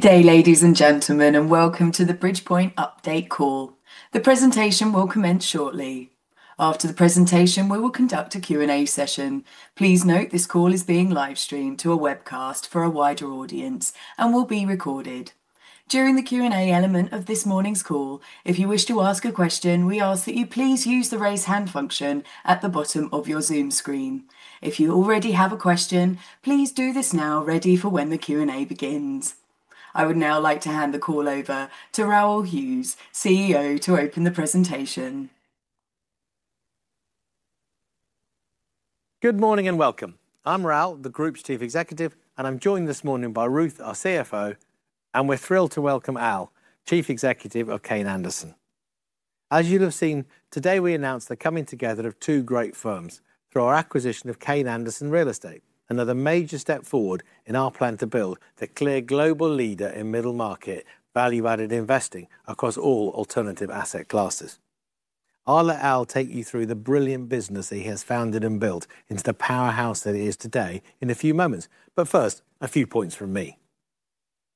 Good day, ladies and gentlemen, welcome to the Bridgepoint update call. The presentation will commence shortly. After the presentation, we will conduct a Q&A session. Please note this call is being live streamed to a webcast for a wider audience and will be recorded. During the Q&A element of this morning's call, if you wish to ask a question, we ask that you please use the raise hand function at the bottom of your Zoom screen. If you already have a question, please do this now ready for when the Q&A begins. I would now like to hand the call over to Raoul Hughes, CEO, to open the presentation. Good morning, welcome. I'm Raoul, the Group's Chief Executive. I'm joined this morning by Ruth, our CFO. We're thrilled to welcome Al, Chief Executive of Kayne Anderson. As you'll have seen, today we announce the coming together of two great firms through our acquisition of Kayne Anderson Real Estate, another major step forward in our plan to build the clear global leader in middle-market value-added investing across all alternative asset classes. I'll let Al take you through the brilliant business that he has founded and built into the powerhouse that it is today in a few moments. First, a few points from me.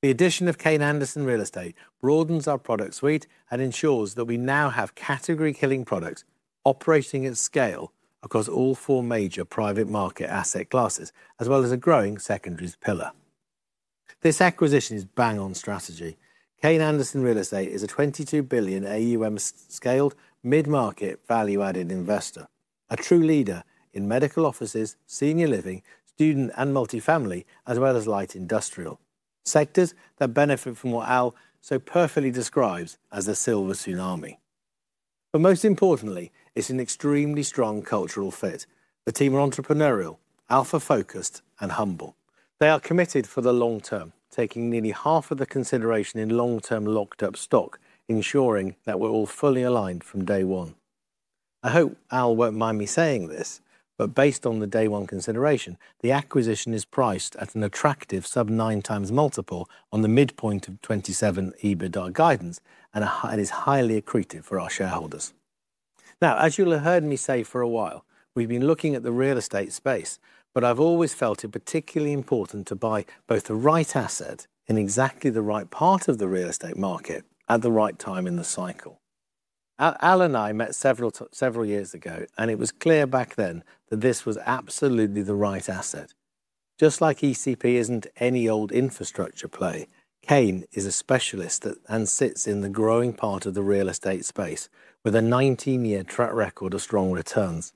The addition of Kayne Anderson Real Estate broadens our product suite and ensures that we now have category-killing products operating at scale across all four major private market asset classes, as well as a growing secondaries pillar. This acquisition is bang on strategy. Kayne Anderson Real Estate is a 22 billion AUM scaled mid-market value-added investor, a true leader in medical offices, senior living, student and multifamily, as well as light industrial, sectors that benefit from what Al so perfectly describes as a silver tsunami. Most importantly, it's an extremely strong cultural fit. The team are entrepreneurial, alpha-focused, and humble. They are committed for the long term, taking nearly half of the consideration in long-term locked-up stock, ensuring that we're all fully aligned from day one. I hope Al won't mind me saying this. Based on the day one consideration, the acquisition is priced at an attractive sub 9x multiple on the midpoint of 2027 EBITDA guidance and is highly accretive for our shareholders. Now, as you'll have heard me say for a while, we've been looking at the real estate space. I've always felt it particularly important to buy both the right asset in exactly the right part of the real estate market at the right time in the cycle. Al and I met several years ago. It was clear back then that this was absolutely the right asset. Just like ECP isn't any old infrastructure play, Kayne is a specialist and sits in the growing part of the real estate space with a 19-year track record of strong returns.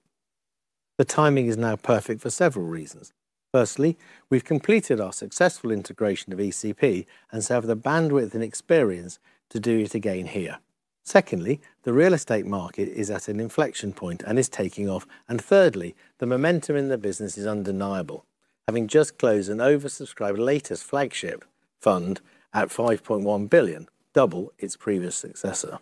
The timing is now perfect for several reasons. Firstly, we've completed our successful integration of ECP. We have the bandwidth and experience to do it again here. Secondly, the real estate market is at an inflection point and is taking off. Thirdly, the momentum in the business is undeniable. Having just closed an oversubscribed latest flagship fund at 5.1 billion, double its previous successor.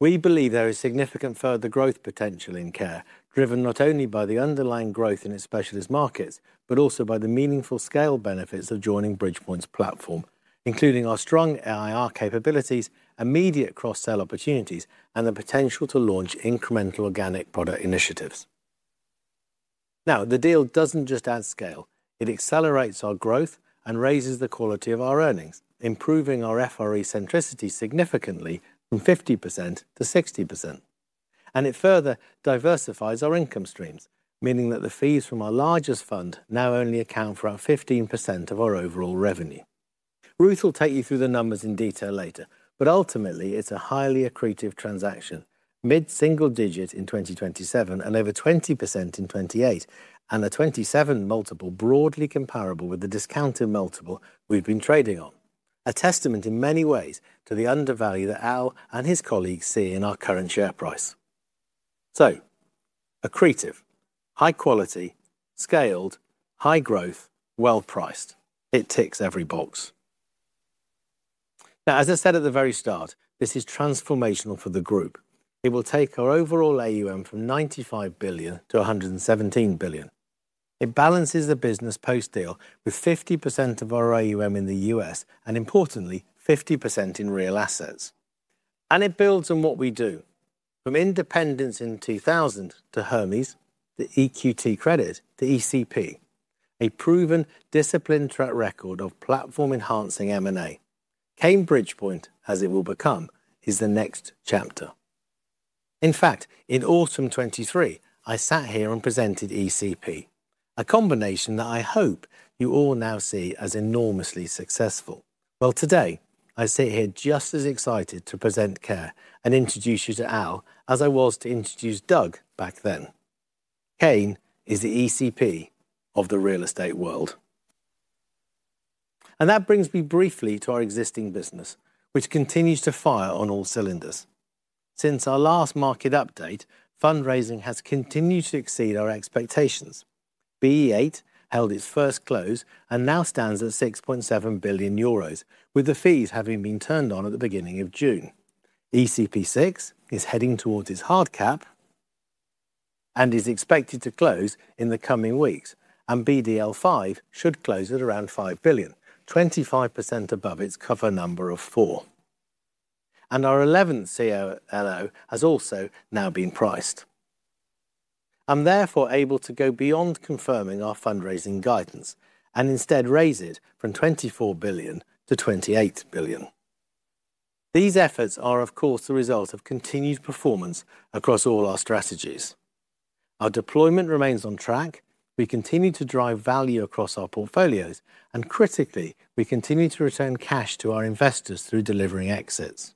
We believe there is significant further growth potential in KARE, driven not only by the underlying growth in its specialist markets, but also by the meaningful scale benefits of joining Bridgepoint's platform, including our strong IR capabilities, immediate cross-sell opportunities, and the potential to launch incremental organic product initiatives. The deal doesn't just add scale. It accelerates our growth and raises the quality of our earnings, improving our FRE centricity significantly from 50%-60%. It further diversifies our income streams, meaning that the fees from our largest fund now only account for around 15% of our overall revenue. Ruth will take you through the numbers in detail later. Ultimately, it's a highly accretive transaction, mid-single digit in 2027 and over 20% in 2028, and a 27 multiple broadly comparable with the discounted multiple we've been trading on. A testament in many ways to the undervalue that Al and his colleagues see in our current share price. Accretive, high quality, scaled, high growth, well-priced. It ticks every box. As I said at the very start, this is transformational for the group. It will take our overall AUM from 95 billion-117 billion. It balances the business post-deal with 50% of our AUM in the U.S. and importantly, 50% in real assets. It builds on what we do. From independence in 2000 to Hermes, to EQT Credit, to ECP, a proven disciplined track record of platform-enhancing M&A. Kayne Bridgepoint, as it will become, is the next chapter. In fact, in autumn 2023, I sat here and presented ECP, a combination that I hope you all now see as enormously successful. Today, I sit here just as excited to present KARE and introduce you to Al as I was to introduce Doug back then. Kayne is the ECP of the real estate world. That brings me briefly to our existing business, which continues to fire on all cylinders. Since our last market update, fundraising has continued to exceed our expectations. BE8 held its first close and now stands at 6.7 billion euros, with the fees having been turned on at the beginning of June. ECP VI is heading towards its hard cap and is expected to close in the coming weeks. BDL5 should close at around 5 billion, 25% above its cover number of four. Our 11th CLO has also now been priced. I'm therefore able to go beyond confirming our fundraising guidance and instead raise it from 24 billion-28 billion. These efforts are of course, the result of continued performance across all our strategies. Our deployment remains on track. We continue to drive value across our portfolios, and critically, we continue to return cash to our investors through delivering exits.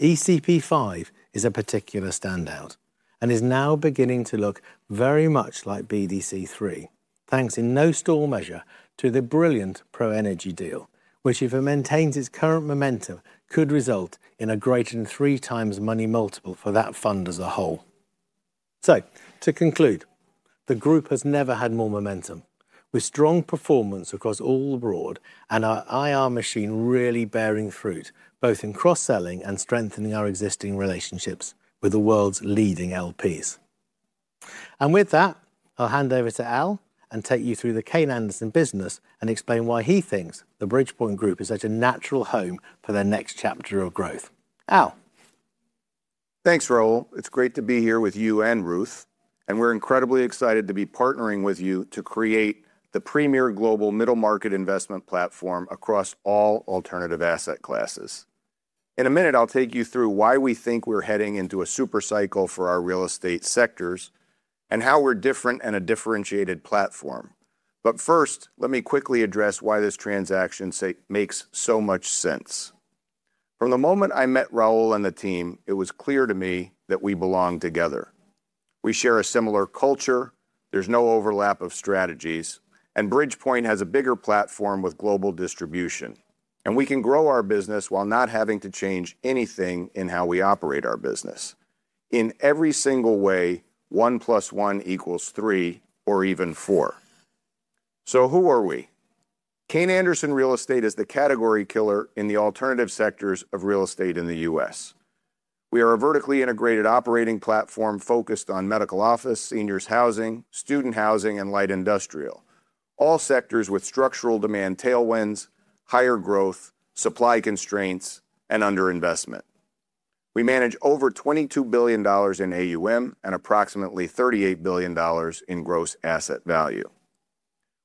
ECP V is a particular standout and is now beginning to look very much like BDC III. Thanks in no small measure to the brilliant ProEnergy deal, which if it maintains its current momentum, could result in a greater than three times money multiple for that fund as a whole. To conclude, the group has never had more momentum with strong performance across all broad and our IR machine really bearing fruit, both in cross-selling and strengthening our existing relationships with the world's leading LPs. With that, I'll hand over to Al and take you through the Kayne Anderson business and explain why he thinks the Bridgepoint Group is such a natural home for their next chapter of growth. Al. Thanks, Raoul. It's great to be here with you and Ruth, and we're incredibly excited to be partnering with you to create the premier global middle market investment platform across all alternative asset classes. In a minute, I'll take you through why we think we're heading into a super cycle for our real estate sectors and how we're different in a differentiated platform. First, let me quickly address why this transaction makes so much sense. From the moment I met Raoul and the team, it was clear to me that we belong together. We share a similar culture, there's no overlap of strategies, Bridgepoint has a bigger platform with global distribution, we can grow our business while not having to change anything in how we operate our business. In every single way, one plus one equals three or even four. Who are we? Kayne Anderson Real Estate is the category killer in the alternative sectors of real estate in the U.S. We are a vertically integrated operating platform focused on medical office, seniors housing, student housing, and light industrial. All sectors with structural demand tailwinds, higher growth, supply constraints, and under-investment. We manage over $22 billion in AUM and approximately $38 billion in gross asset value.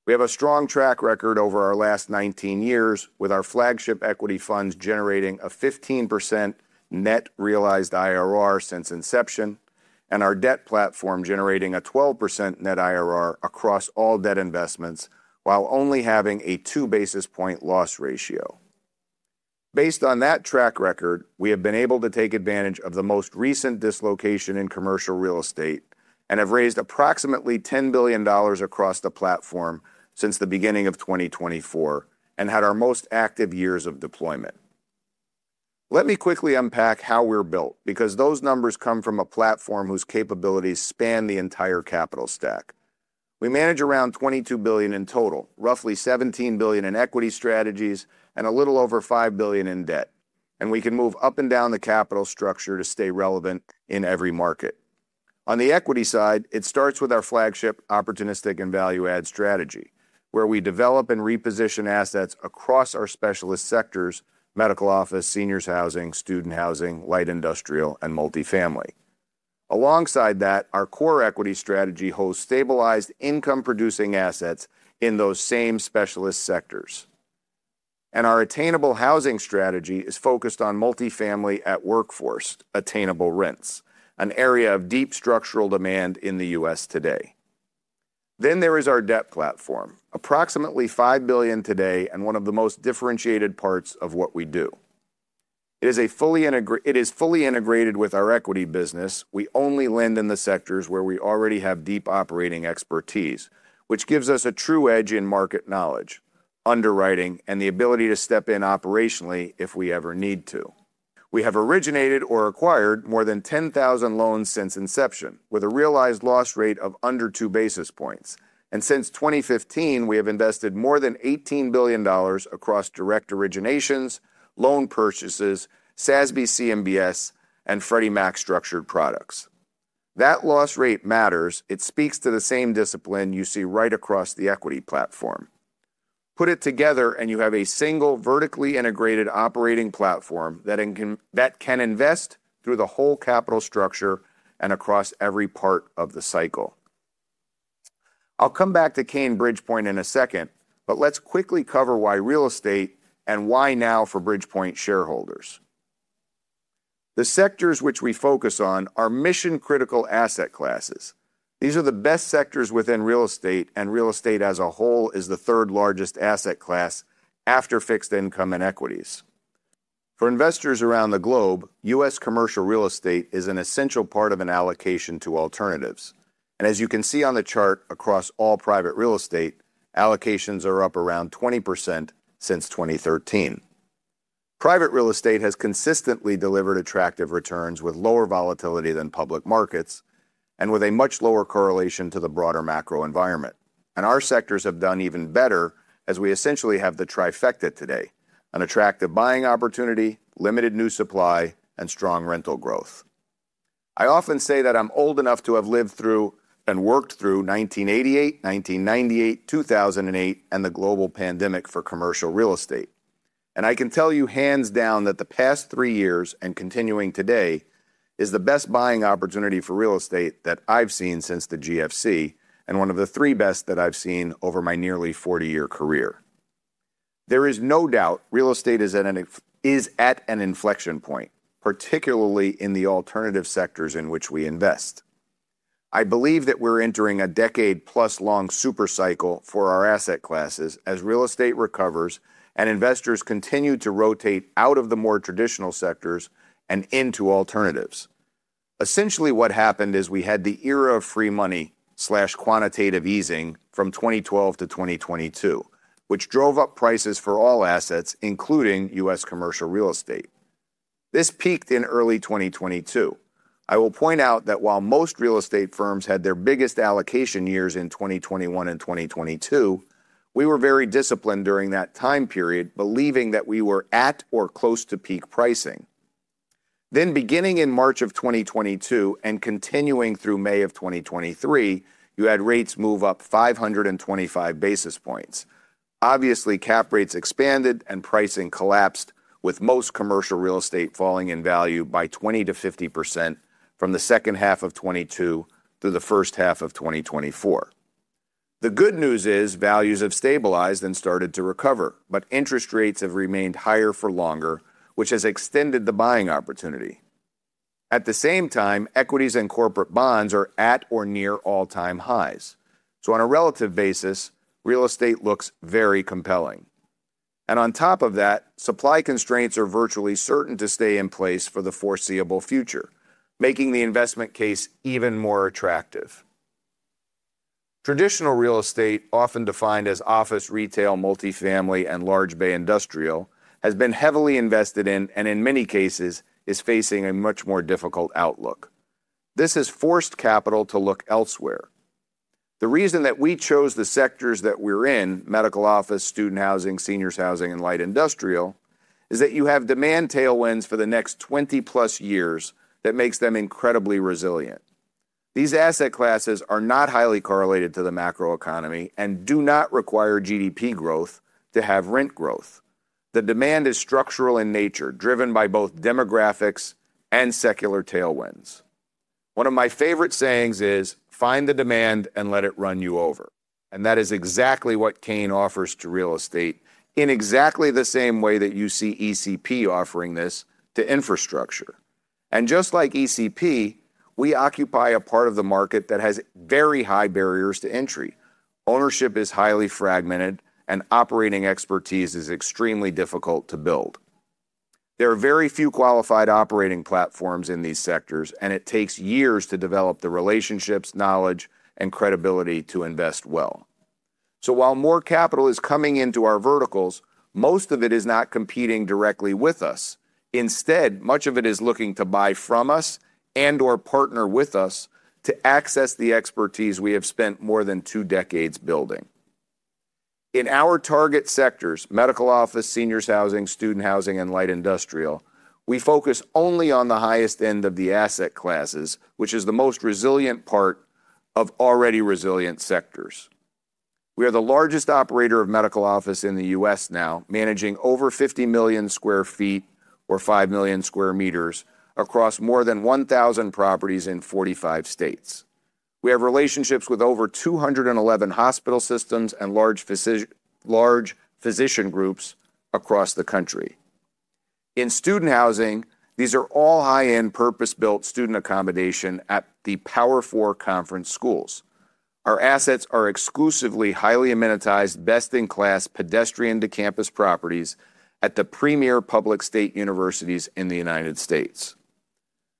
We have a strong track record over our last 19 years with our flagship equity funds generating a 15% net realized IRR since inception, and our debt platform generating a 12% net IRR across all debt investments while only having a two basis point loss ratio. Based on that track record, we have been able to take advantage of the most recent dislocation in commercial real estate and have raised approximately $10 billion across the platform since the beginning of 2024 and had our most active years of deployment. Quickly unpack how we're built, because those numbers come from a platform whose capabilities span the entire capital stack. We manage around $22 billion in total, roughly $17 billion in equity strategies, and a little over $5 billion in debt, we can move up and down the capital structure to stay relevant in every market. On the equity side, it starts with our flagship opportunistic and value-add strategy, where we develop and reposition assets across our specialist sectors, medical office, seniors housing, student housing, light industrial, and multifamily. Alongside that, our core equity strategy holds stabilized income-producing assets in those same specialist sectors. Our attainable housing strategy is focused on multifamily at workforce attainable rents, an area of deep structural demand in the U.S. today. There is our debt platform, approximately $5 billion today and one of the most differentiated parts of what we do. It is fully integrated with our equity business. We only lend in the sectors where we already have deep operating expertise, which gives us a true edge in market knowledge, underwriting, and the ability to step in operationally if we ever need to. We have originated or acquired more than 10,000 loans since inception with a realized loss rate of under two basis points. Since 2015, we have invested more than $18 billion across direct originations, loan purchases, SASB CMBS, and Freddie Mac structured products. That loss rate matters. It speaks to the same discipline you see right across the equity platform. Put it together and you have a single vertically integrated operating platform that can invest through the whole capital structure and across every part of the cycle. I'll come back to Kayne Bridgepoint in a second, but let's quickly cover why real estate and why now for Bridgepoint shareholders. The sectors which we focus on are mission-critical asset classes. These are the best sectors within real estate, and real estate as a whole is the third-largest asset class after fixed income and equities. For investors around the globe, U.S. commercial real estate is an essential part of an allocation to alternatives. As you can see on the chart, across all private real estate, allocations are up around 20% since 2013. Private real estate has consistently delivered attractive returns with lower volatility than public markets and with a much lower correlation to the broader macro environment. Our sectors have done even better as we essentially have the trifecta today, an attractive buying opportunity, limited new supply, and strong rental growth. I often say that I'm old enough to have lived through and worked through 1988, 1998, 2008, and the global pandemic for commercial real estate. I can tell you hands down that the past three years, and continuing today, is the best buying opportunity for real estate that I've seen since the GFC, and one of the three best that I've seen over my nearly 40-year career. There is no doubt real estate is at an inflection point, particularly in the alternative sectors in which we invest. I believe that we're entering a decade-plus long super cycle for our asset classes as real estate recovers and investors continue to rotate out of the more traditional sectors and into alternatives. Essentially, what happened is we had the era of free money/quantitative easing from 2012-2022, which drove up prices for all assets, including U.S. commercial real estate. This peaked in early 2022. I will point out that while most real estate firms had their biggest allocation years in 2021 and 2022, we were very disciplined during that time period, believing that we were at or close to peak pricing. Beginning in March of 2022 and continuing through May of 2023, you had rates move up 525 basis points. Obviously, cap rates expanded and pricing collapsed, with most commercial real estate falling in value by 20%-50% from the second half of 2022 through the first half of 2024. The good news is values have stabilized and started to recover, but interest rates have remained higher for longer, which has extended the buying opportunity. At the same time, equities and corporate bonds are at or near all-time highs. On a relative basis, real estate looks very compelling. On top of that, supply constraints are virtually certain to stay in place for the foreseeable future, making the investment case even more attractive. Traditional real estate, often defined as office, retail, multifamily, and large bay industrial, has been heavily invested in, and in many cases is facing a much more difficult outlook. This has forced capital to look elsewhere. The reason that we chose the sectors that we're in, medical office, student housing, seniors housing, and light industrial, is that you have demand tailwinds for the next 20+ years that makes them incredibly resilient. These asset classes are not highly correlated to the macroeconomy and do not require GDP growth to have rent growth. The demand is structural in nature, driven by both demographics and secular tailwinds. One of my favorite sayings is, "Find the demand and let it run you over." That is exactly what Kayne offers to real estate in exactly the same way that you see ECP offering this to infrastructure. Just like ECP, we occupy a part of the market that has very high barriers to entry. Ownership is highly fragmented, and operating expertise is extremely difficult to build. There are very few qualified operating platforms in these sectors, and it takes years to develop the relationships, knowledge, and credibility to invest well. While more capital is coming into our verticals, most of it is not competing directly with us. Instead, much of it is looking to buy from us and/or partner with us to access the expertise we have spent more than two decades building. In our target sectors, medical office, seniors housing, student housing, and light industrial, we focus only on the highest end of the asset classes, which is the most resilient part of already resilient sectors. We are the largest operator of medical office in the U.S. now, managing over 50 million sq ft or 5 million sq m across more than 1,000 properties in 45 states. We have relationships with over 211 hospital systems and large physician groups across the country. In student housing, these are all high-end, purpose-built student accommodation at the Power Four conference schools. Our assets are exclusively highly amenitized, best-in-class, pedestrian-to-campus properties at the premier public state universities in the U.S.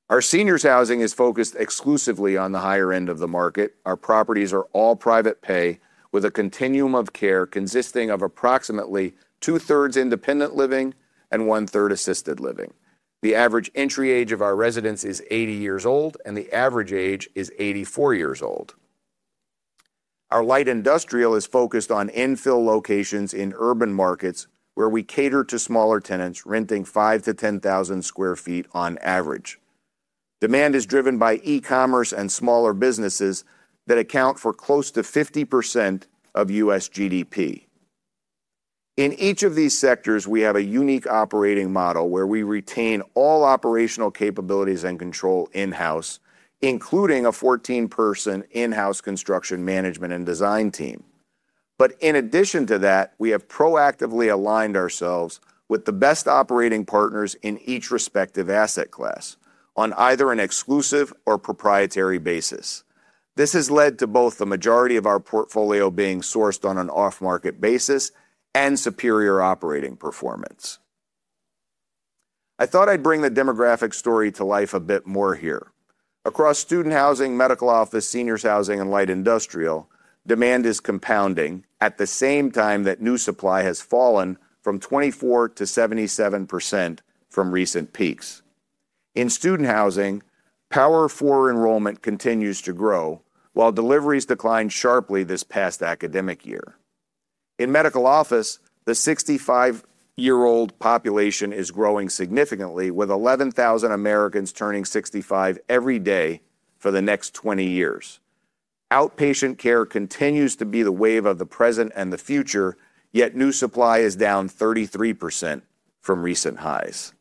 Our seniors housing is focused exclusively on the higher end of the market. Our properties are all private pay with a continuum of care consisting of approximately two-thirds independent living and one-third assisted living. The average entry age of our residents is 80 years old, and the average age is 84 years old. Our light industrial is focused on infill locations in urban markets, where we cater to smaller tenants renting 5,000-10,000 sq ft on average. Demand is driven by e-commerce and smaller businesses that account for close to 50% of U.S. GDP. In each of these sectors, we have a unique operating model where we retain all operational capabilities and control in-house, including a 14-person in-house construction management and design team. In addition to that, we have proactively aligned ourselves with the best operating partners in each respective asset class on either an exclusive or proprietary basis. This has led to both the majority of our portfolio being sourced on an off-market basis and superior operating performance. I thought I'd bring the demographic story to life a bit more here. Across student housing, medical office, seniors housing, and light industrial, demand is compounding at the same time that new supply has fallen from 24% to 77% from recent peaks. In student housing, Power Four enrollment continues to grow while deliveries declined sharply this past academic year. In medical office, the 65-year-old population is growing significantly, with 11,000 Americans turning 65 every day for the next 20 years. Outpatient care continues to be the wave of the present and the future, yet new supply is down 33% from recent highs.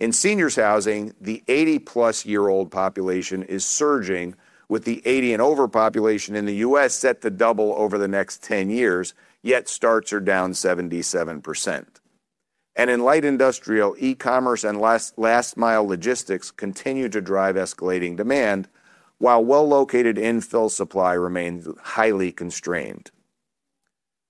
In seniors housing, the 80-plus-year-old population is surging with the 80 and over population in the U.S. set to double over the next 10 years, yet starts are down 77%. In light industrial, e-commerce and last mile logistics continue to drive escalating demand, while well-located infill supply remains highly constrained.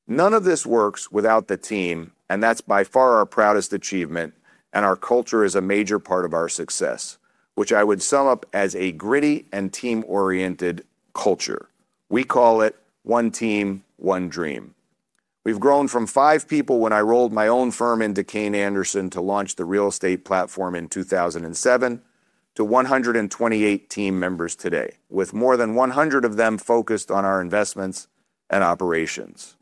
None of this works without the team, that's by far our proudest achievement, our culture is a major part of our success, which I would sum up as a gritty and team-oriented culture. We call it One Team, One Dream. We've grown from five people when I rolled my own firm into Kayne Anderson to launch the real estate platform in 2007 to 128 team members today, with more than 100 of them focused on our investments and operations.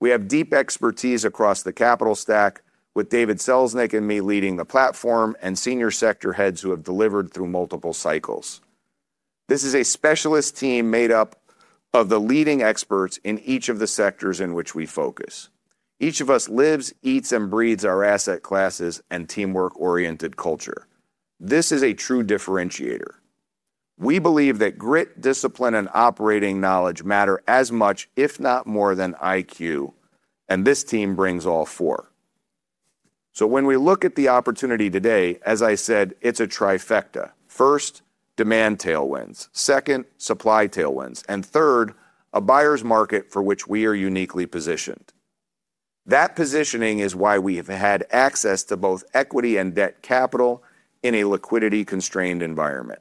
We have deep expertise across the capital stack with David Selznick and me leading the platform and senior sector heads who have delivered through multiple cycles. This is a specialist team made up of the leading experts in each of the sectors in which we focus. Each of us lives, eats, and breathes our asset classes and teamwork-oriented culture. This is a true differentiator. We believe that grit, discipline, and operating knowledge matter as much, if not more than IQ, this team brings all four. When we look at the opportunity today, as I said, it's a trifecta. First, demand tailwinds. Second, supply tailwinds, third, a buyer's market for which we are uniquely positioned. That positioning is why we have had access to both equity and debt capital in a liquidity-constrained environment.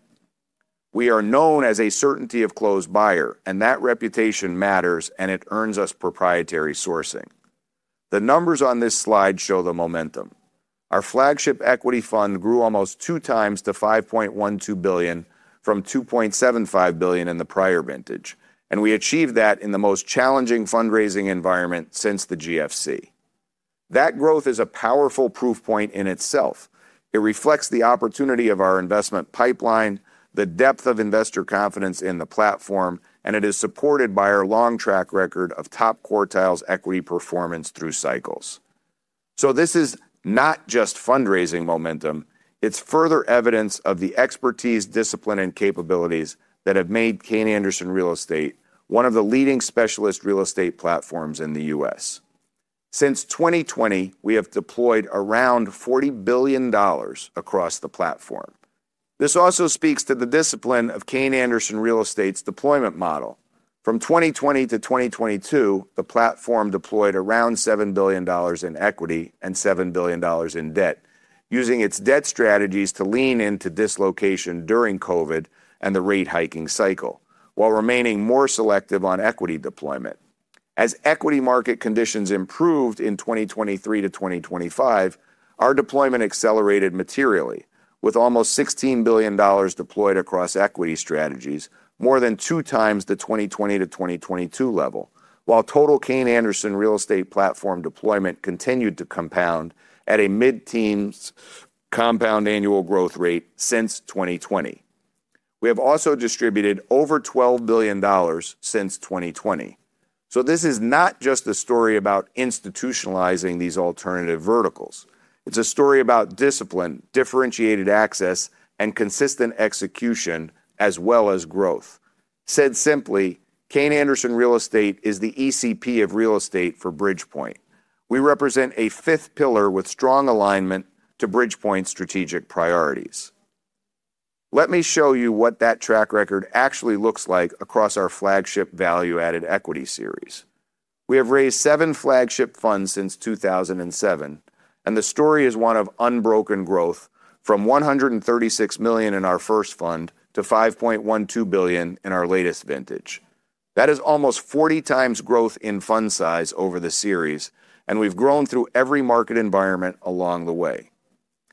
We are known as a certainty of closed buyer, that reputation matters, it earns us proprietary sourcing. The numbers on this slide show the momentum. Our flagship equity fund grew almost two times to $5.12 billion from $2.75 billion in the prior vintage, we achieved that in the most challenging fundraising environment since the GFC. That growth is a powerful proof point in itself. It reflects the opportunity of our investment pipeline, the depth of investor confidence in the platform, it is supported by our long track record of top quartiles equity performance through cycles. This is not just fundraising momentum, it's further evidence of the expertise, discipline, and capabilities that have made Kayne Anderson Real Estate one of the leading specialist real estate platforms in the U.S. Since 2020, we have deployed around $40 billion across the platform. This also speaks to the discipline of Kayne Anderson Real Estate's deployment model. From 2020 to 2022, the platform deployed around $7 billion in equity and $7 billion in debt, using its debt strategies to lean into dislocation during COVID and the rate hiking cycle, while remaining more selective on equity deployment. As equity market conditions improved in 2023-2025, our deployment accelerated materially with almost GBP 16 billion deployed across equity strategies, more than 2x the 2020 to 2022 level. While total Kayne Anderson Real Estate platform deployment continued to compound at a mid-teens CAGR since 2020. We have also distributed over GBP 12 billion since 2020. This is not just a story about institutionalizing these alternative verticals. It's a story about discipline, differentiated access, and consistent execution, as well as growth. Said simply, Kayne Anderson Real Estate is the ECP of real estate for Bridgepoint. We represent a fifth pillar with strong alignment to Bridgepoint's strategic priorities. Let me show you what that track record actually looks like across our flagship value-added equity series. We have raised seven flagship funds since 2007. The story is one of unbroken growth from 136 million in our first fund to 5.12 billion in our latest vintage. That is almost 40 times growth in fund size over the series. We've grown through every market environment along the way.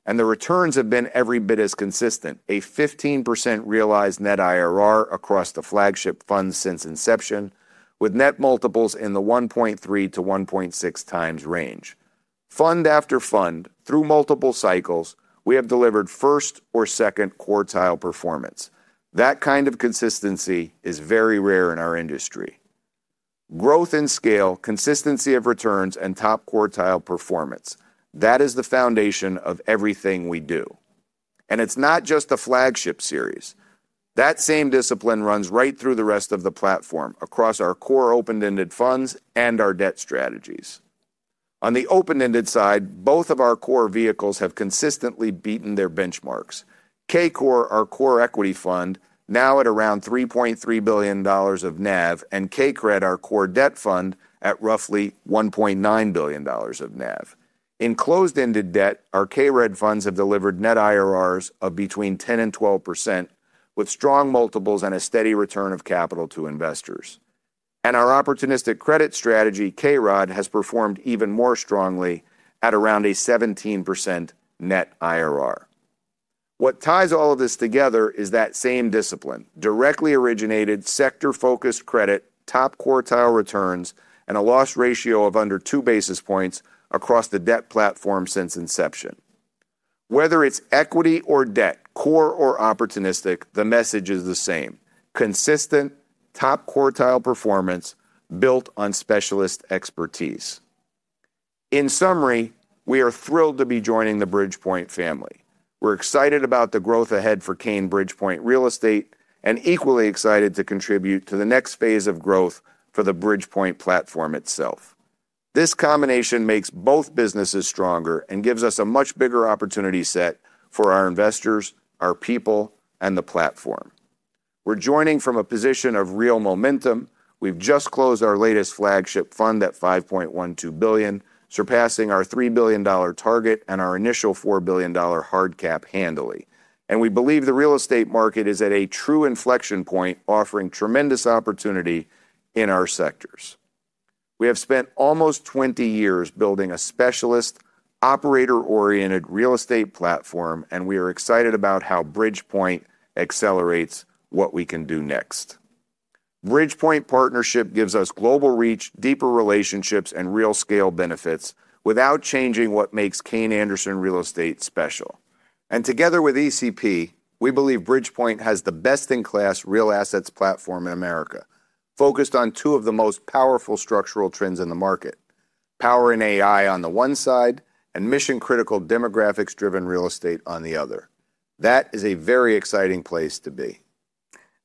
The returns have been every bit as consistent, a 15% realized net IRR across the flagship fund since inception, with net multiples in the 1.3x-1.6x range. Fund after fund, through multiple cycles, we have delivered first or second quartile performance. That kind of consistency is very rare in our industry. Growth and scale, consistency of returns, and top quartile performance. That is the foundation of everything we do. It's not just a flagship series. That same discipline runs right through the rest of the platform across our core open-ended funds and our debt strategies. On the open-ended side, both of our core vehicles have consistently beaten their benchmarks. K Core, our core equity fund, now at around GBP 3.3 billion of NAV, and K Cred, our core debt fund, at roughly GBP 1.9 billion of NAV. In closed-ended debt, our K Red funds have delivered net IRRs of between 10%-12%, with strong multiples and a steady return of capital to investors. Our opportunistic credit strategy, K Rod, has performed even more strongly at around a 17% net IRR. What ties all of this together is that same discipline, directly originated, sector-focused credit, top quartile returns, and a loss ratio of under 2 basis points across the debt platform since inception. Whether it's equity or debt, core or opportunistic, the message is the same. Consistent top quartile performance built on specialist expertise. In summary, we are thrilled to be joining the Bridgepoint family. We're excited about the growth ahead for Kayne Bridgepoint Real Estate, and equally excited to contribute to the next phase of growth for the Bridgepoint platform itself. This combination makes both businesses stronger and gives us a much bigger opportunity set for our investors, our people, and the platform. We're joining from a position of real momentum. We've just closed our latest flagship fund at 5.12 billion, surpassing our GBP 3 billion target and our initial GBP 4 billion hard cap handily. We believe the real estate market is at a true inflection point, offering tremendous opportunity in our sectors. We have spent almost 20 years building a specialist, operator-oriented real estate platform, and we are excited about how Bridgepoint accelerates what we can do next. Bridgepoint partnership gives us global reach, deeper relationships, and real scale benefits without changing what makes Kayne Anderson Real Estate special. Together with ECP, we believe Bridgepoint has the best-in-class real assets platform in America, focused on two of the most powerful structural trends in the market, power and AI on the one side, and mission-critical demographics-driven real estate on the other. That is a very exciting place to be.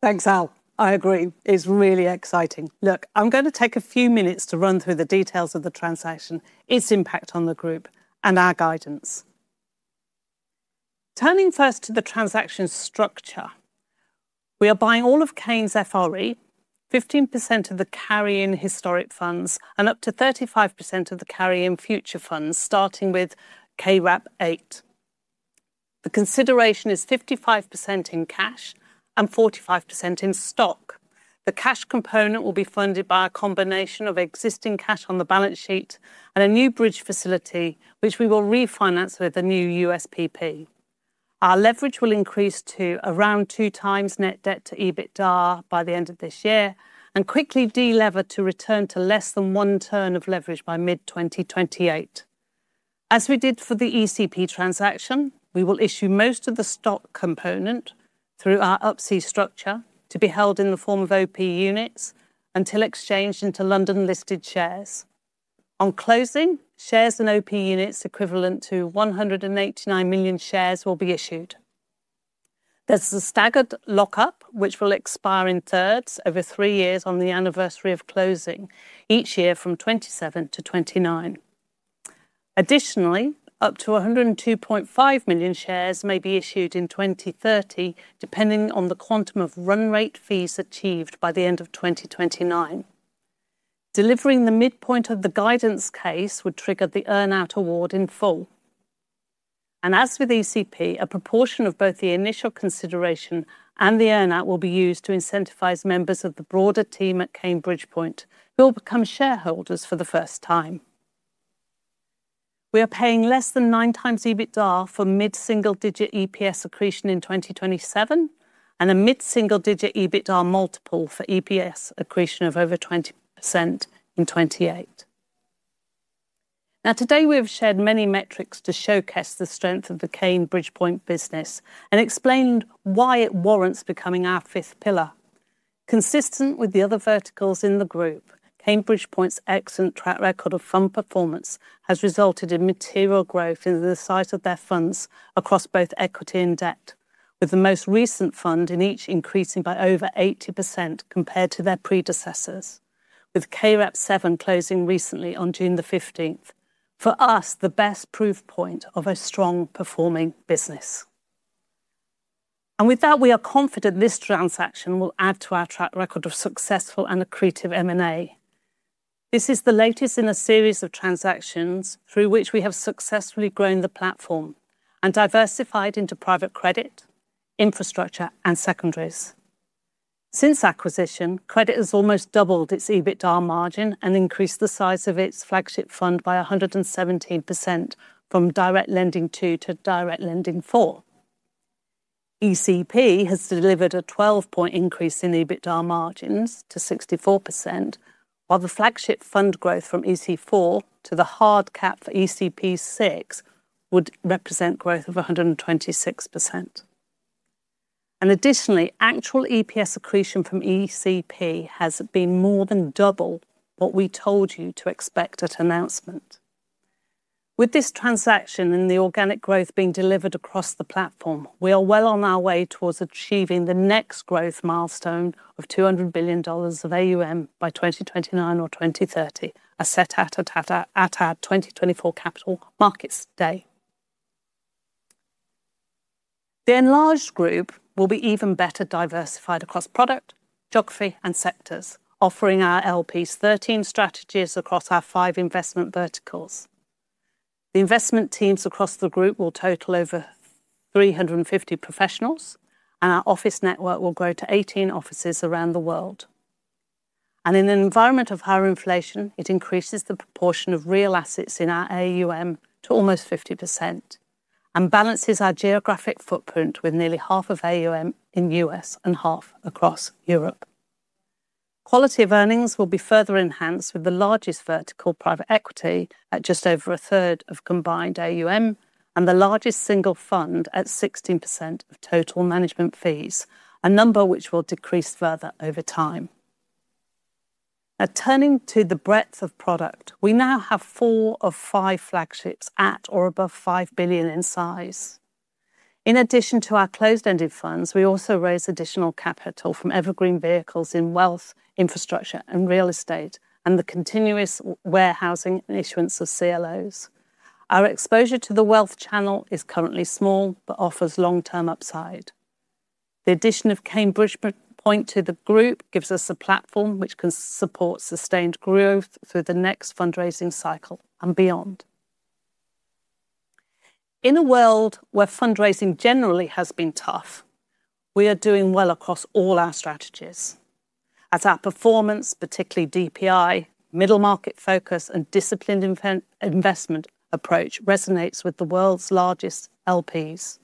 Thanks, Al. I agree. It's really exciting. Look, I'm going to take a few minutes to run through the details of the transaction, its impact on the group, and our guidance. Turning first to the transaction structure. We are buying all of Kayne's FRE, 15% of the carry in historic funds, and up to 35% of the carry in future funds, starting with KAREP VIII. The consideration is 55% in cash and 45% in stock. The cash component will be funded by a combination of existing cash on the balance sheet and a new Bridge facility, which we will refinance with the new USPP. Our leverage will increase to around two times net debt to EBITDA by the end of this year, and quickly de-lever to return to less than one turn of leverage by mid-2028. As we did for the ECP transaction, we will issue most of the stock component through our Up-C structure to be held in the form of OP units until exchanged into London listed shares. On closing, shares and OP units equivalent to 189 million shares will be issued. There's a staggered lockup, which will expire in thirds over three years on the anniversary of closing, each year from 2027-2029. Additionally, up to 102.5 million shares may be issued in 2030, depending on the quantum of run rate fees achieved by the end of 2029. Delivering the midpoint of the guidance case would trigger the earn-out award in full. As with ECP, a proportion of both the initial consideration and the earn-out will be used to incentivize members of the broader team at Kayne Bridgepoint, who will become shareholders for the first time. We are paying less than nine times EBITDA for mid-single digit EPS accretion in 2027 and a mid-single digit EBITDA multiple for EPS accretion of over 20% in 2028. Today we have shared many metrics to showcase the strength of the Kayne Bridgepoint business and explained why it warrants becoming our fifth pillar. Consistent with the other verticals in the group, Kayne Bridgepoint's excellent track record of fund performance has resulted in material growth in the size of their funds across both equity and debt, with the most recent fund in each increasing by over 80% compared to their predecessors. With KAREP VII closing recently on June the 15th, for us, the best proof point of a strong performing business. With that, we are confident this transaction will add to our track record of successful and accretive M&A. This is the latest in a series of transactions through which we have successfully grown the platform and diversified into private credit, infrastructure, and secondaries. Since acquisition, credit has almost doubled its EBITDA margin and increased the size of its flagship fund by 117%, from direct lending II to direct lending IV. ECP has delivered a 12-point increase in EBITDA margins to 64%, while the flagship fund growth from ECP IV to the hard cap for ECP VI would represent growth of 126%. Additionally, actual EPS accretion from ECP has been more than double what we told you to expect at announcement. With this transaction and the organic growth being delivered across the platform, we are well on our way towards achieving the next growth milestone of GBP 200 billion of AUM by 2029 or 2030, as set out at our 2024 capital markets day. The enlarged group will be even better diversified across product, geography, and sectors, offering our LPs 13 strategies across our five investment verticals. The investment teams across the group will total over 350 professionals, and our office network will grow to 18 offices around the world. In an environment of higher inflation, it increases the proportion of real assets in our AUM to almost 50%, and balances our geographic footprint with nearly half of AUM in U.S. and half across Europe. Quality of earnings will be further enhanced with the largest vertical private equity at just over 1/3 of combined AUM, and the largest single fund at 16% of total management fees, a number which will decrease further over time. Turning to the breadth of product, we now have four of five flagships at or above 5 billion in size. In addition to our closed-ended funds, we also raise additional capital from evergreen vehicles in wealth, infrastructure, and real estate, and the continuous warehousing and issuance of CLOs. Our exposure to the wealth channel is currently small, but offers long-term upside. The addition of Bridgepoint to the group gives us a platform which can support sustained growth through the next fundraising cycle and beyond. In a world where fundraising generally has been tough, we are doing well across all our strategies as our performance, particularly DPI, middle market focus, and disciplined investment approach resonates with the world's largest LPs.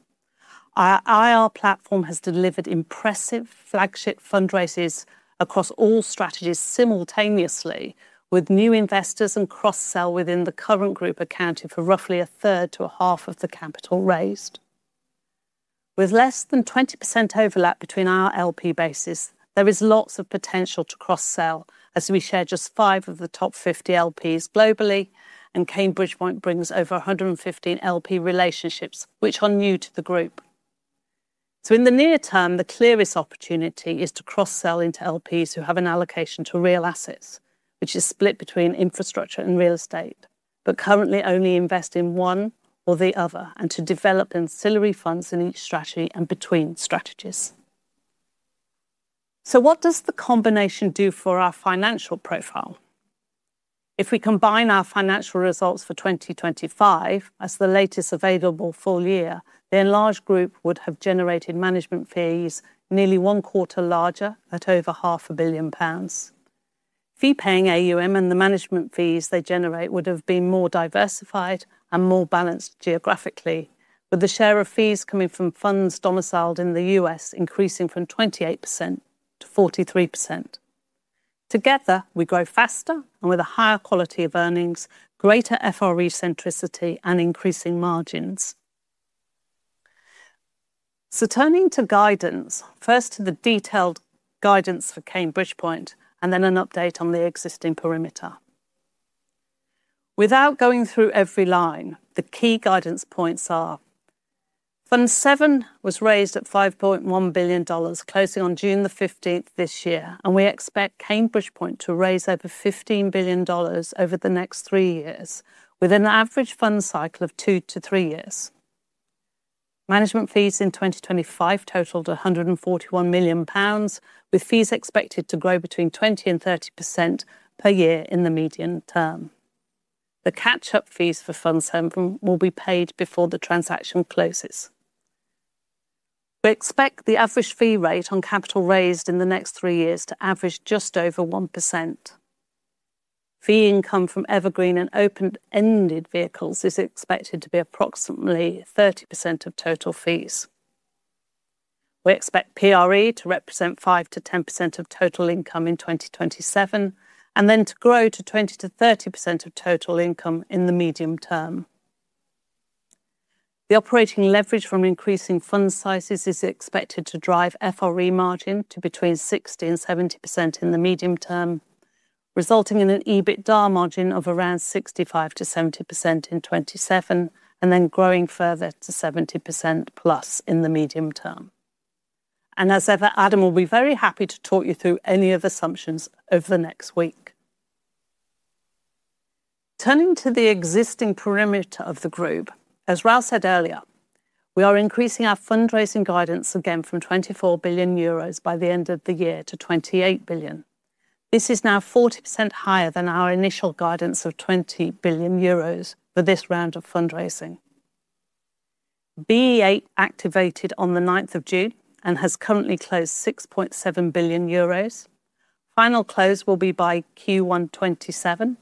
Our IR platform has delivered impressive flagship fundraisers across all strategies simultaneously with new investors and cross-sell within the current group accounting for roughly a third to a half of the capital raised. With less than 20% overlap between our LP bases, there is lots of potential to cross-sell as we share just five of the top 50 LPs globally, and Bridgepoint brings over 115 LP relationships, which are new to the group. In the near term, the clearest opportunity is to cross-sell into LPs who have an allocation to real assets, which is split between infrastructure and real estate, but currently only invest in one or the other, and to develop ancillary funds in each strategy and between strategies. What does the combination do for our financial profile? If we combine our financial results for 2025 as the latest available full year, the enlarged group would have generated management fees nearly one quarter larger at over half a billion GBP. Fee-paying AUM and the management fees they generate would've been more diversified and more balanced geographically, with a share of fees coming from funds domiciled in the U.S. increasing from 28%-43%. Together, we grow faster and with a higher quality of earnings, greater FRE centricity, and increasing margins. Turning to guidance. First to the detailed guidance for Bridgepoint, then an update on the existing perimeter. Without going through every line, the key guidance points are: Fund VII was raised at $5.1 billion, closing on June the 15th this year. We expect Bridgepoint to raise over $15 billion over the next three years with an average fund cycle of two to three years. Management fees in 2025 totaled GBP 141 million, with fees expected to grow between 20%-30% per year in the medium term. The catch-up fees for Fund VII will be paid before the transaction closes. We expect the average fee rate on capital raised in the next three years to average just over 1%. Fee income from evergreen and open-ended vehicles is expected to be approximately 30% of total fees. We expect PRE to represent 5%-10% of total income in 2027, then to grow to 20%-30% of total income in the medium term. The operating leverage from increasing fund sizes is expected to drive FRE margin to between 60%-70% in the medium term, resulting in an EBITDA margin of around 65%-70% in 2027, then growing further to 70%+ in the medium term. As ever, Adam will be very happy to talk you through any of the assumptions over the next week. Turning to the existing perimeter of the group, as Raoul said earlier, we are increasing our fundraising guidance again from €24 billion by the end of the year to €28 billion. This is now 40% higher than our initial guidance of €20 billion for this round of fundraising. BE8 activated on the 9th of June and has currently closed €6.7 billion. Final close will be by Q1 2027.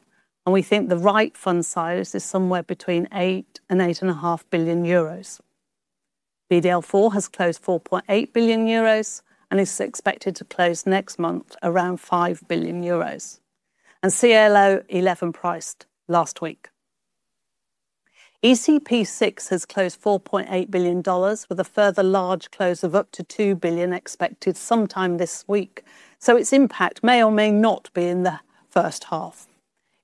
We think the right fund size is somewhere between €8 billion and €8.5 billion. BDL IV has closed €4.8 billion and is expected to close next month around €5 billion. CLO 11 priced last week. ECP Six has closed $4.8 billion with a further large close of up to $2 billion expected sometime this week. Its impact may or may not be in the first half.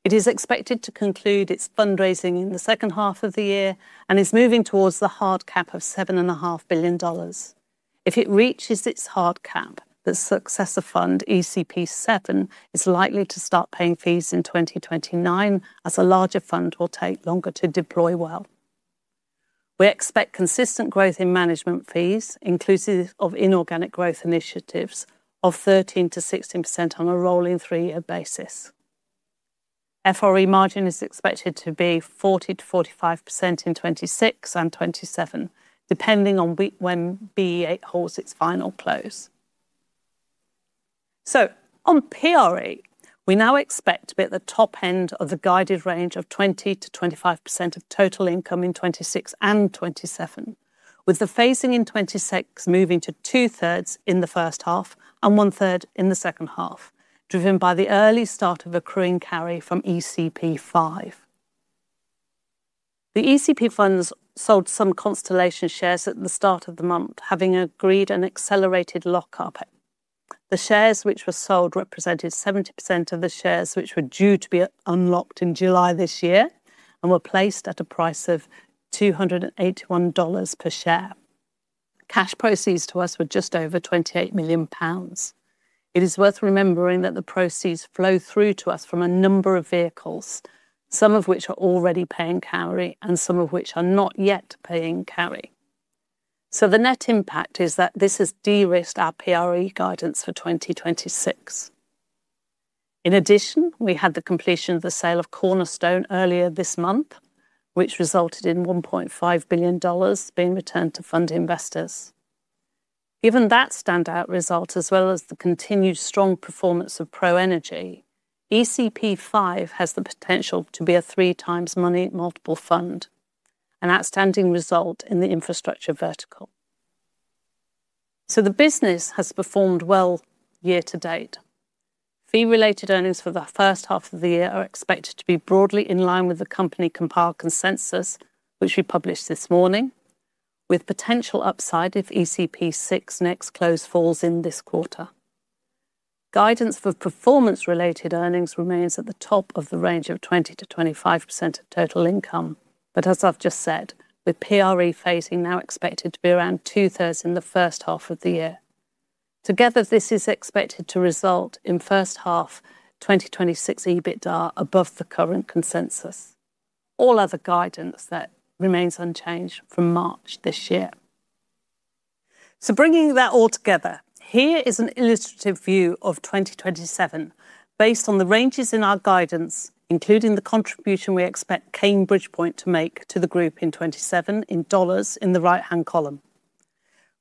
It is expected to conclude its fundraising in the second half of the year and is moving towards the hard cap of $7.5 billion. If it reaches its hard cap, the successor fund, ECP VII, is likely to start paying fees in 2029 as a larger fund will take longer to deploy well. We expect consistent growth in management fees inclusive of inorganic growth initiatives of 13%-16% on a rolling three-year basis. FRE margin is expected to be 40%-45% in 2026 and 2027, depending on when BE8 holds its final close. On PRE, we now expect to be at the top end of the guided range of 20%-25% of total income in 2026 and 2027, with the phasing in 2026 moving to 2/3 in the first half and 1/3 in the second half, driven by the early start of accruing carry from ECP V. The ECP funds sold some Constellation shares at the start of the month, having agreed an accelerated lockup. The shares which were sold represented 70% of the shares which were due to be unlocked in July this year, and were placed at a price of $281 per share. Cash proceeds to us were just over 28 million pounds. It is worth remembering that the proceeds flow through to us from a number of vehicles, some of which are already paying carry, and some of which are not yet paying carry. The net impact is that this has de-risked our PRE guidance for 2026. In addition, we had the completion of the sale of Cornerstone earlier this month, which resulted in $1.5 billion being returned to fund investors. Given that standout result, as well as the continued strong performance of ProEnergy, ECP V has the potential to be a three times money multiple fund, an outstanding result in the infrastructure vertical. The business has performed well year to date. Fee-related earnings for the first half of the year are expected to be broadly in line with the company compiled consensus, which we published this morning, with potential upside if ECP VI's next close falls in this quarter. Guidance for performance-related earnings remains at the top of the range of 20%-25% of total income. But as I've just said, with PRE phasing now expected to be around two thirds in the first half of the year. Together, this is expected to result in first half 2026 EBITDA above the current consensus. All other guidance that remains unchanged from March this year. Bringing that all together, here is an illustrative view of 2027 based on the ranges in our guidance, including the contribution we expect Kayne Bridgepoint to make to the group in 2027 in dollars in the right-hand column.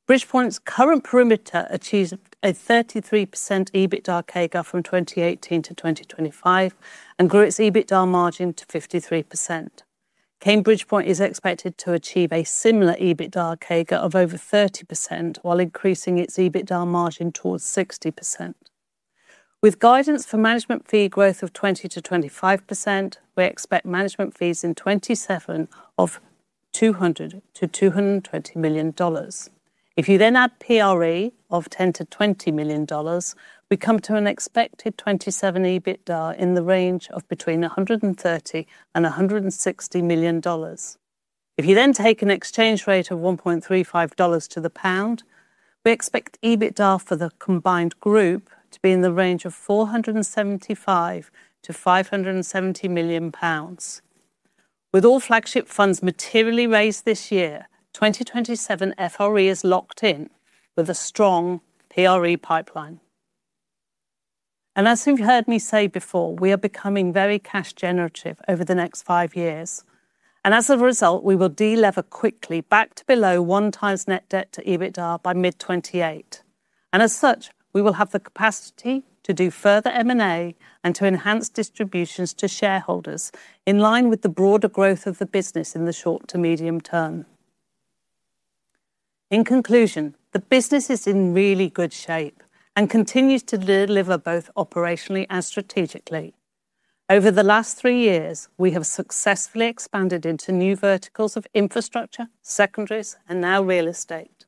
Bridgepoint's current perimeter achieves a 33% EBITDA CAGR from 2018 to 2025, and grew its EBITDA margin to 53%. Kayne Bridgepoint is expected to achieve a similar EBITDA CAGR of over 30%, while increasing its EBITDA margin towards 60%. With guidance for management fee growth of 20%-25%, we expect management fees in 2027 of $200 million-$220 million. If you then add PRE of $10 million-$20 million, we come to an expected 2027 EBITDA in the range of between $130 million-$160 million. If you then take an exchange rate of $1.35 to the pound, we expect EBITDA for the combined group to be in the range of 475 million-570 million pounds. With all flagship funds materially raised this year, 2027 FRE is locked in with a strong PRE pipeline. As you've heard me say before, we are becoming very cash generative over the next five years. As a result, we will de-lever quickly back to below one times net debt to EBITDA by mid 2028. As such, we will have the capacity to do further M&A and to enhance distributions to shareholders in line with the broader growth of the business in the short to medium term. In conclusion, the business is in really good shape and continues to deliver both operationally and strategically. Over the last three years, we have successfully expanded into new verticals of infrastructure, secondaries and now real estate.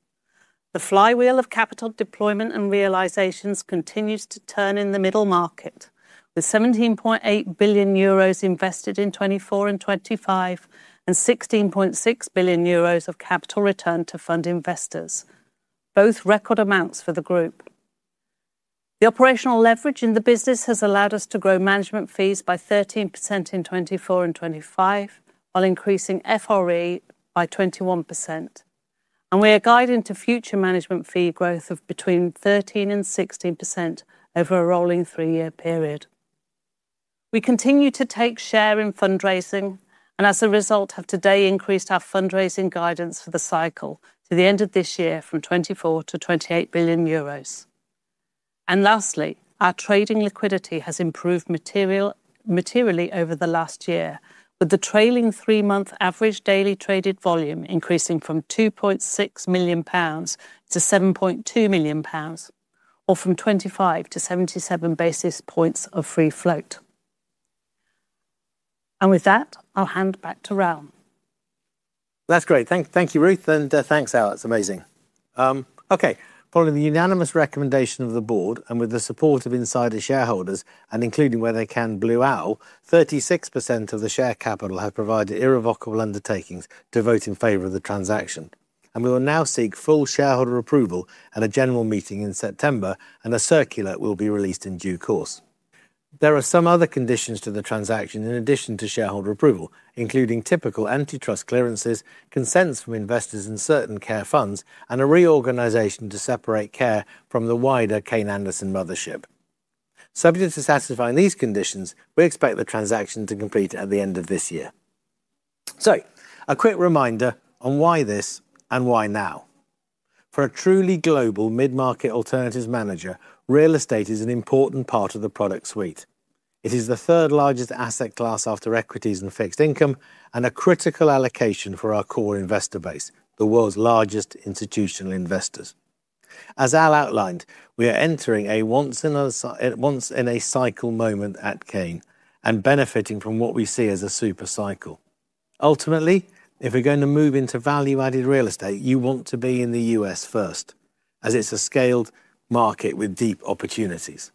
The flywheel of capital deployment and realizations continues to turn in the middle market, with €17.8 billion invested in 2024 and 2025, and €16.6 billion of capital returned to fund investors, both record amounts for the Group. The operational leverage in the business has allowed us to grow management fees by 13% in 2024 and 2025, while increasing FRE by 21%, and we are guiding to future management fee growth of between 13% and 16% over a rolling three-year period. We continue to take share in fundraising and, as a result, have today increased our fundraising guidance for the cycle to the end of this year from €24 billion-€28 billion. Lastly, our trading liquidity has improved materially over the last year, with the trailing three-month average daily traded volume increasing from 2.6 million pounds to 7.2 million pounds, or from 25 to 77 basis points of free float. With that, I will hand back to Raoul. That's great. Thank you, Ruth, and thanks, Al. It's amazing. Okay. Following the unanimous recommendation of the board and with the support of insider shareholders, and including where they can, Blue Owl, 36% of the share capital have provided irrevocable undertakings to vote in favor of the transaction. We will now seek full shareholder approval at a general meeting in September, and a circular will be released in due course. There are some other conditions to the transaction in addition to shareholder approval, including typical antitrust clearances, consents from investors in certain KARE funds, and a reorganization to separate KARE from the wider Kayne Anderson mothership. Subject to satisfying these conditions, we expect the transaction to complete at the end of this year. A quick reminder on why this and why now. For a truly global mid-market alternatives manager, real estate is an important part of the product suite. It is the third largest asset class after equities and fixed income, and a critical allocation for our core investor base, the world's largest institutional investors. As Al outlined, we are entering a once in a cycle moment at Kayne, benefiting from what we see as a super cycle. Ultimately, if you are going to move into value-added real estate, you want to be in the U.S. first, as it is a scaled market with deep opportunities.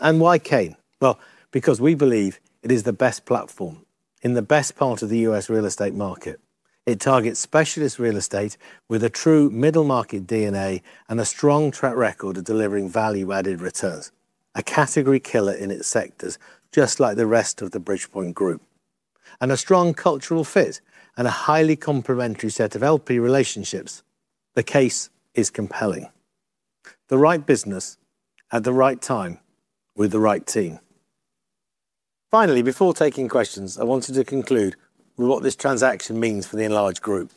Why Kayne? Well, because we believe it is the best platform in the best part of the U.S. real estate market. It targets specialist real estate with a true middle-market DNA and a strong track record of delivering value-added returns, a category killer in its sectors, just like the rest of the Bridgepoint Group. A strong cultural fit and a highly complementary set of LP relationships. The case is compelling. The right business at the right time with the right team. Finally, before taking questions, I wanted to conclude with what this transaction means for the enlarged group.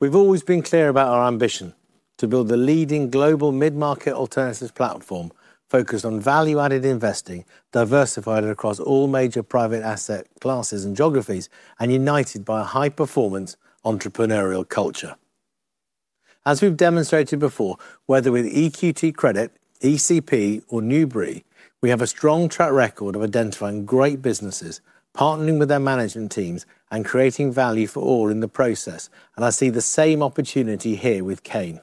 We've always been clear about our ambition to build the leading global mid-market alternatives platform, focused on value-added investing, diversified across all major private asset classes and geographies, and united by a high-performance entrepreneurial culture. As we've demonstrated before, whether with EQT Credit, ECP, or Newbury Partners, we have a strong track record of identifying great businesses, partnering with their management teams, and creating value for all in the process. I see the same opportunity here with Kayne.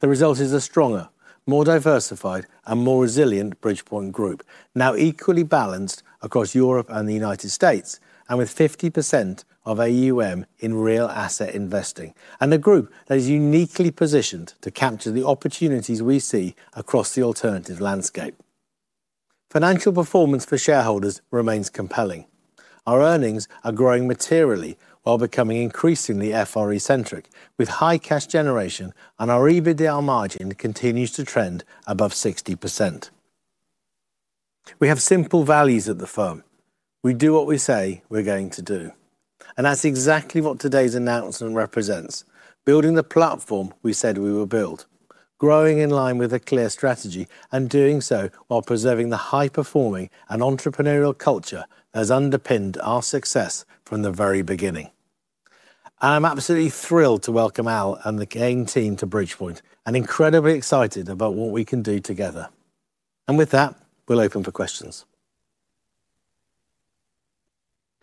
The result is a stronger, more diversified, and more resilient Bridgepoint Group, now equally balanced across Europe and the U.S., and with 50% of AUM in real asset investing. A group that is uniquely positioned to capture the opportunities we see across the alternatives landscape. Financial performance for shareholders remains compelling. Our earnings are growing materially while becoming increasingly FRE-centric, with high cash generation, and our EBITDA margin continues to trend above 60%. We have simple values at the firm. We do what we say we're going to do. That's exactly what today's announcement represents. Building the platform we said we will build. Growing in line with a clear strategy, and doing so while preserving the high-performing and entrepreneurial culture that has underpinned our success from the very beginning. I'm absolutely thrilled to welcome Al and the Kayne team to Bridgepoint, and incredibly excited about what we can do together. With that, we'll open for questions.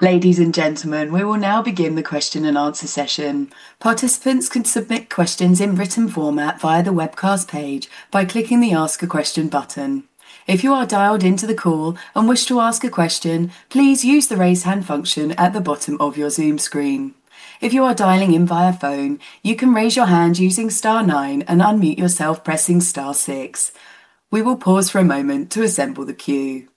Ladies and gentlemen, we will now begin the question and answer session. Participants can submit questions in written format via the webcast page by clicking the Ask a Question button. If you are dialed into the call and wish to ask a question, please use the raise hand function at the bottom of your Zoom screen. If you are dialing in via phone, you can raise your hand using star nine and unmute yourself pressing star six. We will pause for a moment to assemble the queue.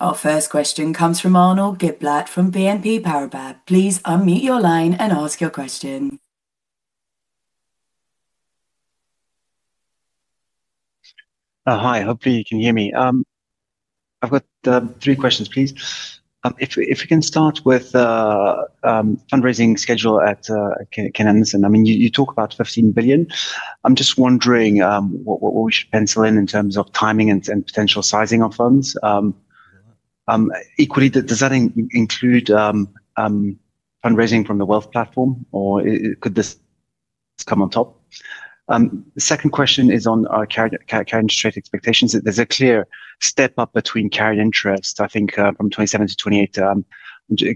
Our first question comes from Arnaud Giblat from BNP Paribas. Please unmute your line and ask your question. Hi, hopefully you can hear me. I've got three questions, please. If you can start with fundraising schedule at Kayne Anderson. You talk about 15 billion. I'm just wondering what we should pencil in terms of timing and potential sizing of funds. Equally, does that include fundraising from the wealth platform, or could this come on top? The second question is on carried interest rate expectations. There's a clear step up between carried interest, I think, from 2027 to 2028.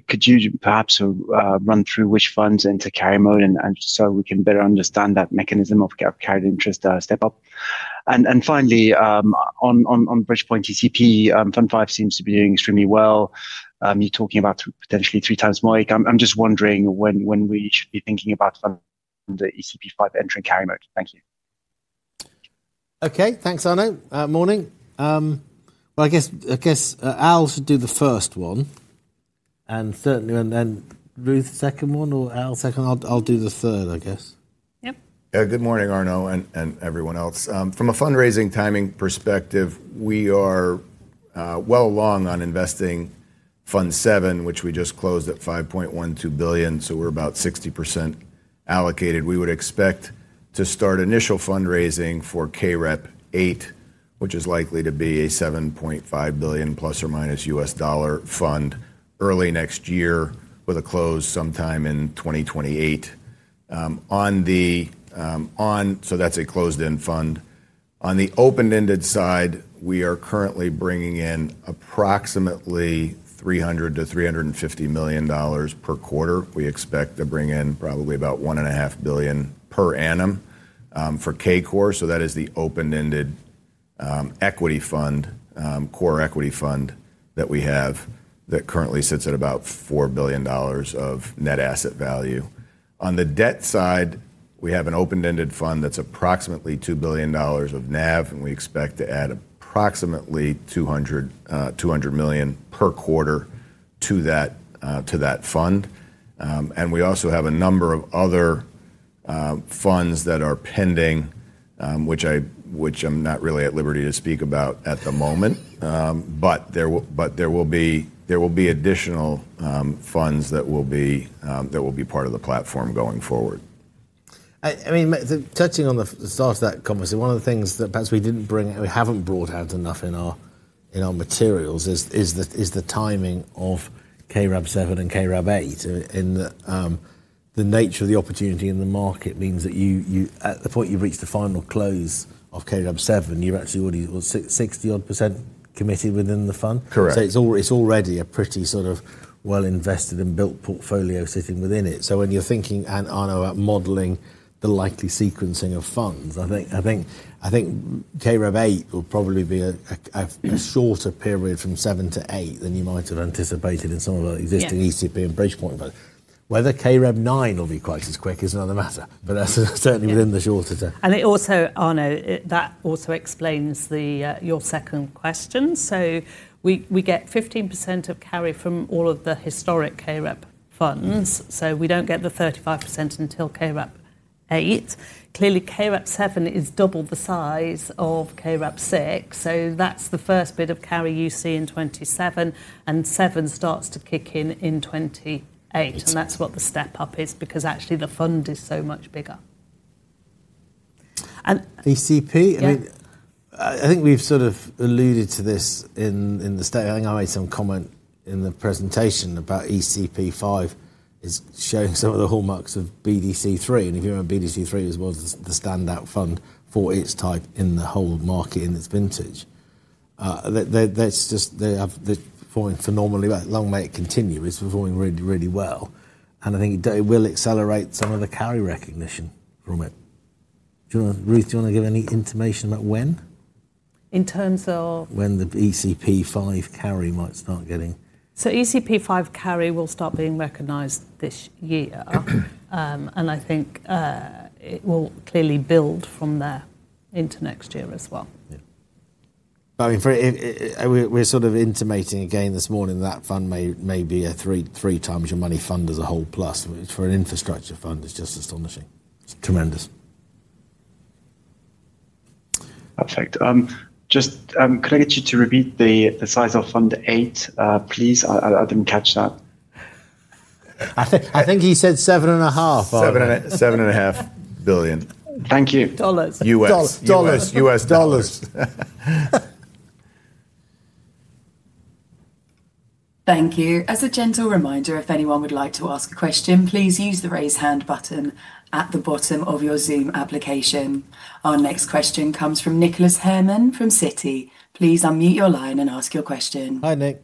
Could you perhaps run through which funds into carry mode and so we can better understand that mechanism of carried interest step up? Finally, on Bridgepoint ECP, Fund V seems to be doing extremely well. You're talking about potentially three times more. I'm just wondering when we should be thinking about Fund ECP V entering carry mode. Thank you. Okay, thanks, Arnaud. Morning. I guess Al should do the first one, and certainly, then Ruth second one, or Al second. I'll do the third, I guess. Yep. Good morning, Arnaud, and everyone else. From a fundraising timing perspective, we are well along on investing KAREP VII, which we just closed at $5.12 billion, so we're about 60% allocated. We would expect to start initial fundraising for KAREP VIII, which is likely to be a $7.5 billion plus or minus U.S. dollar fund early next year, with a close sometime in 2028. That's a closed-end fund. On the open-ended side, we are currently bringing in approximately $300 million-$350 million per quarter. We expect to bring in probably about $1.5 billion per annum for K Core. That is the open-ended equity fund, core equity fund that we have that currently sits at about $4 billion of net asset value. On the debt side, we have an open-ended fund that's approximately $2 billion of NAV, and we expect to add approximately $200 million per quarter to that fund. We also have a number of other funds that are pending, which I'm not really at liberty to speak about at the moment. There will be additional funds that will be part of the platform going forward. Touching on the start of that conversation, one of the things that perhaps we haven't brought out enough in our materials is the timing of KAREP VII and KAREP VIII, in that the nature of the opportunity in the market means that at the point you've reached the final close of KAREP VII, you're actually already what, 60-odd% committed within the fund? Correct. It's already a pretty well-invested and built portfolio sitting within it. When you're thinking, Arnaud, about modeling the likely sequencing of funds, I think KREP VIII will probably be a shorter period from VII to VIII than you might have anticipated in some of the existing ECP and Bridgepoint. Yeah. Whether KAREP IX will be quite as quick is another matter. That's certainly within the shorter term. Also, Arnaud, that also explains your second question. We get 15% of carry from all of the historic KREP funds. We don't get the 35% until KREP VIII. Clearly, KREP VII is double the size of KAREP VI, so that's the first bit of carry you see in 2027. VII starts to kick in in 2028. That's what the step-up is, because actually the fund is so much bigger. ECP. Yeah I think we've sort of alluded to this in the state. I think I made some comment in the presentation about ECP V is showing some of the hallmarks of BDC III. If you remember, BDC III was the standout fund for its type in the whole market in its vintage. They're performing phenomenally well. Long may it continue. It's performing really, really well. I think it will accelerate some of the carry recognition from it. Ruth, do you want to give any intimation about when? In terms of? When the ECP V carry might start getting ECP V carry will start being recognized this year. I think it will clearly build from there into next year as well. Yeah. We're sort of intimating again this morning that fund may be a three times your money fund as a whole, plus. For an infrastructure fund, it's just astonishing. It's tremendous. Perfect. Could I get you to repeat the size of Fund VIII, please? I didn't catch that. I think he said $7.5 billion, Arnaud. $7.5 billion. Thank you. Dollars. US. Dollars. US dollars. Thank you. As a gentle reminder, if anyone would like to ask a question, please use the raise hand button at the bottom of your Zoom application. Our next question comes from Nicholas Herman from Citi. Please unmute your line and ask your question. Hi, Nick.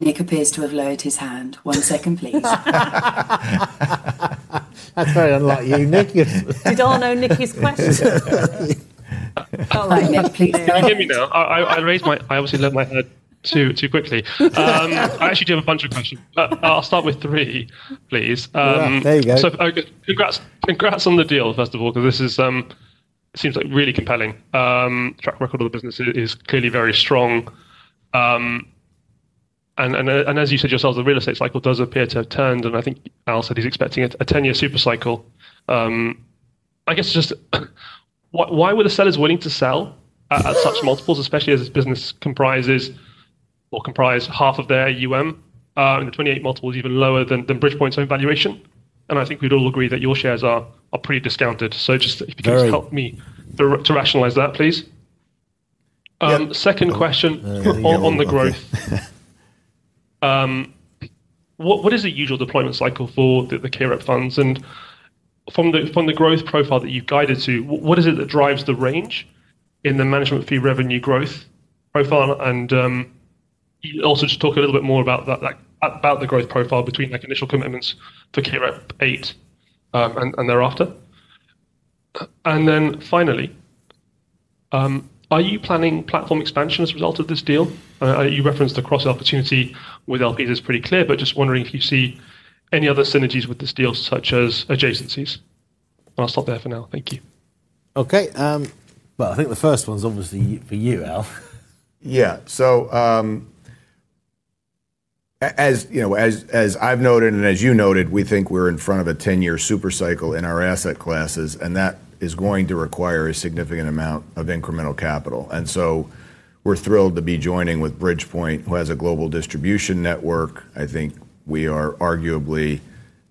Nick appears to have lowered his hand. One second, please. That's very unlike you, Nick. Did Arnaud Nick his question? All right, Nick. Are you able to? Can you hear me now? I obviously lowered my hand too quickly. I actually do have a bunch of questions. I'll start with three, please. There you go. Congrats on the deal, first of all, because this seems really compelling. Track record of the business is clearly very strong. As you said yourselves, the real estate cycle does appear to have turned, and I think Al said he's expecting a 10-year super cycle. I guess just, why were the sellers willing to sell at such multiples, especially as this business comprises or comprised half of their AUM, and the 28 multiple is even lower than Bridgepoint's own valuation. I think we'd all agree that your shares are pretty discounted. Just if you can- Very. Just help me to rationalize that, please. Yeah. Second question. We're getting there. Okay. On the growth, what is a usual deployment cycle for the KAREP funds? From the growth profile that you've guided to, what is it that drives the range in the management fee revenue growth profile? Also, just talk a little bit more about the growth profile between initial commitments for KAREP VIII, and thereafter. Finally, are you planning platform expansion as a result of this deal? You referenced the cross-opportunity with Al is pretty clear, but just wondering if you see any other synergies with this deal, such as adjacencies. I'll stop there for now. Thank you. Okay. I think the first one's obviously for you, Al. Yeah. As I've noted and as you noted, we think we're in front of a 10-year super cycle in our asset classes, that is going to require a significant amount of incremental capital. We're thrilled to be joining with Bridgepoint, who has a global distribution network. I think we are arguably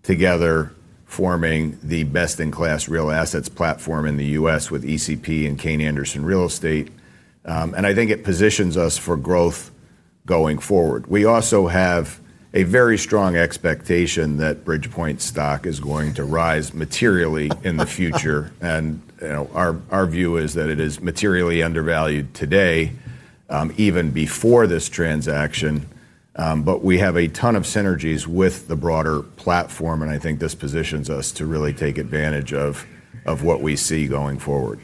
together forming the best-in-class real assets platform in the U.S. with ECP and Kayne Anderson Real Estate. I think it positions us for growth going forward. We also have a very strong expectation that Bridgepoint's stock is going to rise materially in the future. Our view is that it is materially undervalued today, even before this transaction. We have a ton of synergies with the broader platform, and I think this positions us to really take advantage of what we see going forward.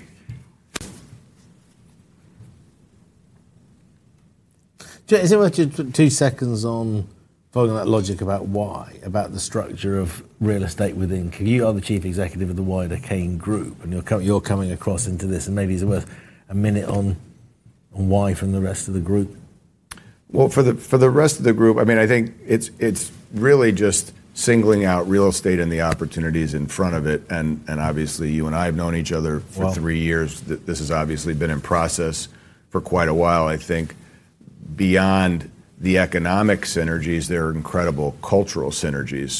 Is it worth you two seconds on following that logic about why, about the structure of real estate within? Because you are the chief executive of the wider Kayne Group, you're coming across into this, maybe is it worth a minute on why from the rest of the group? Well, for the rest of the group, I think it's really just singling out real estate and the opportunities in front of it. Obviously, you and I have known each other. Well. We've known each other for three years. This has obviously been in process for quite a while. I think beyond the economic synergies, there are incredible cultural synergies.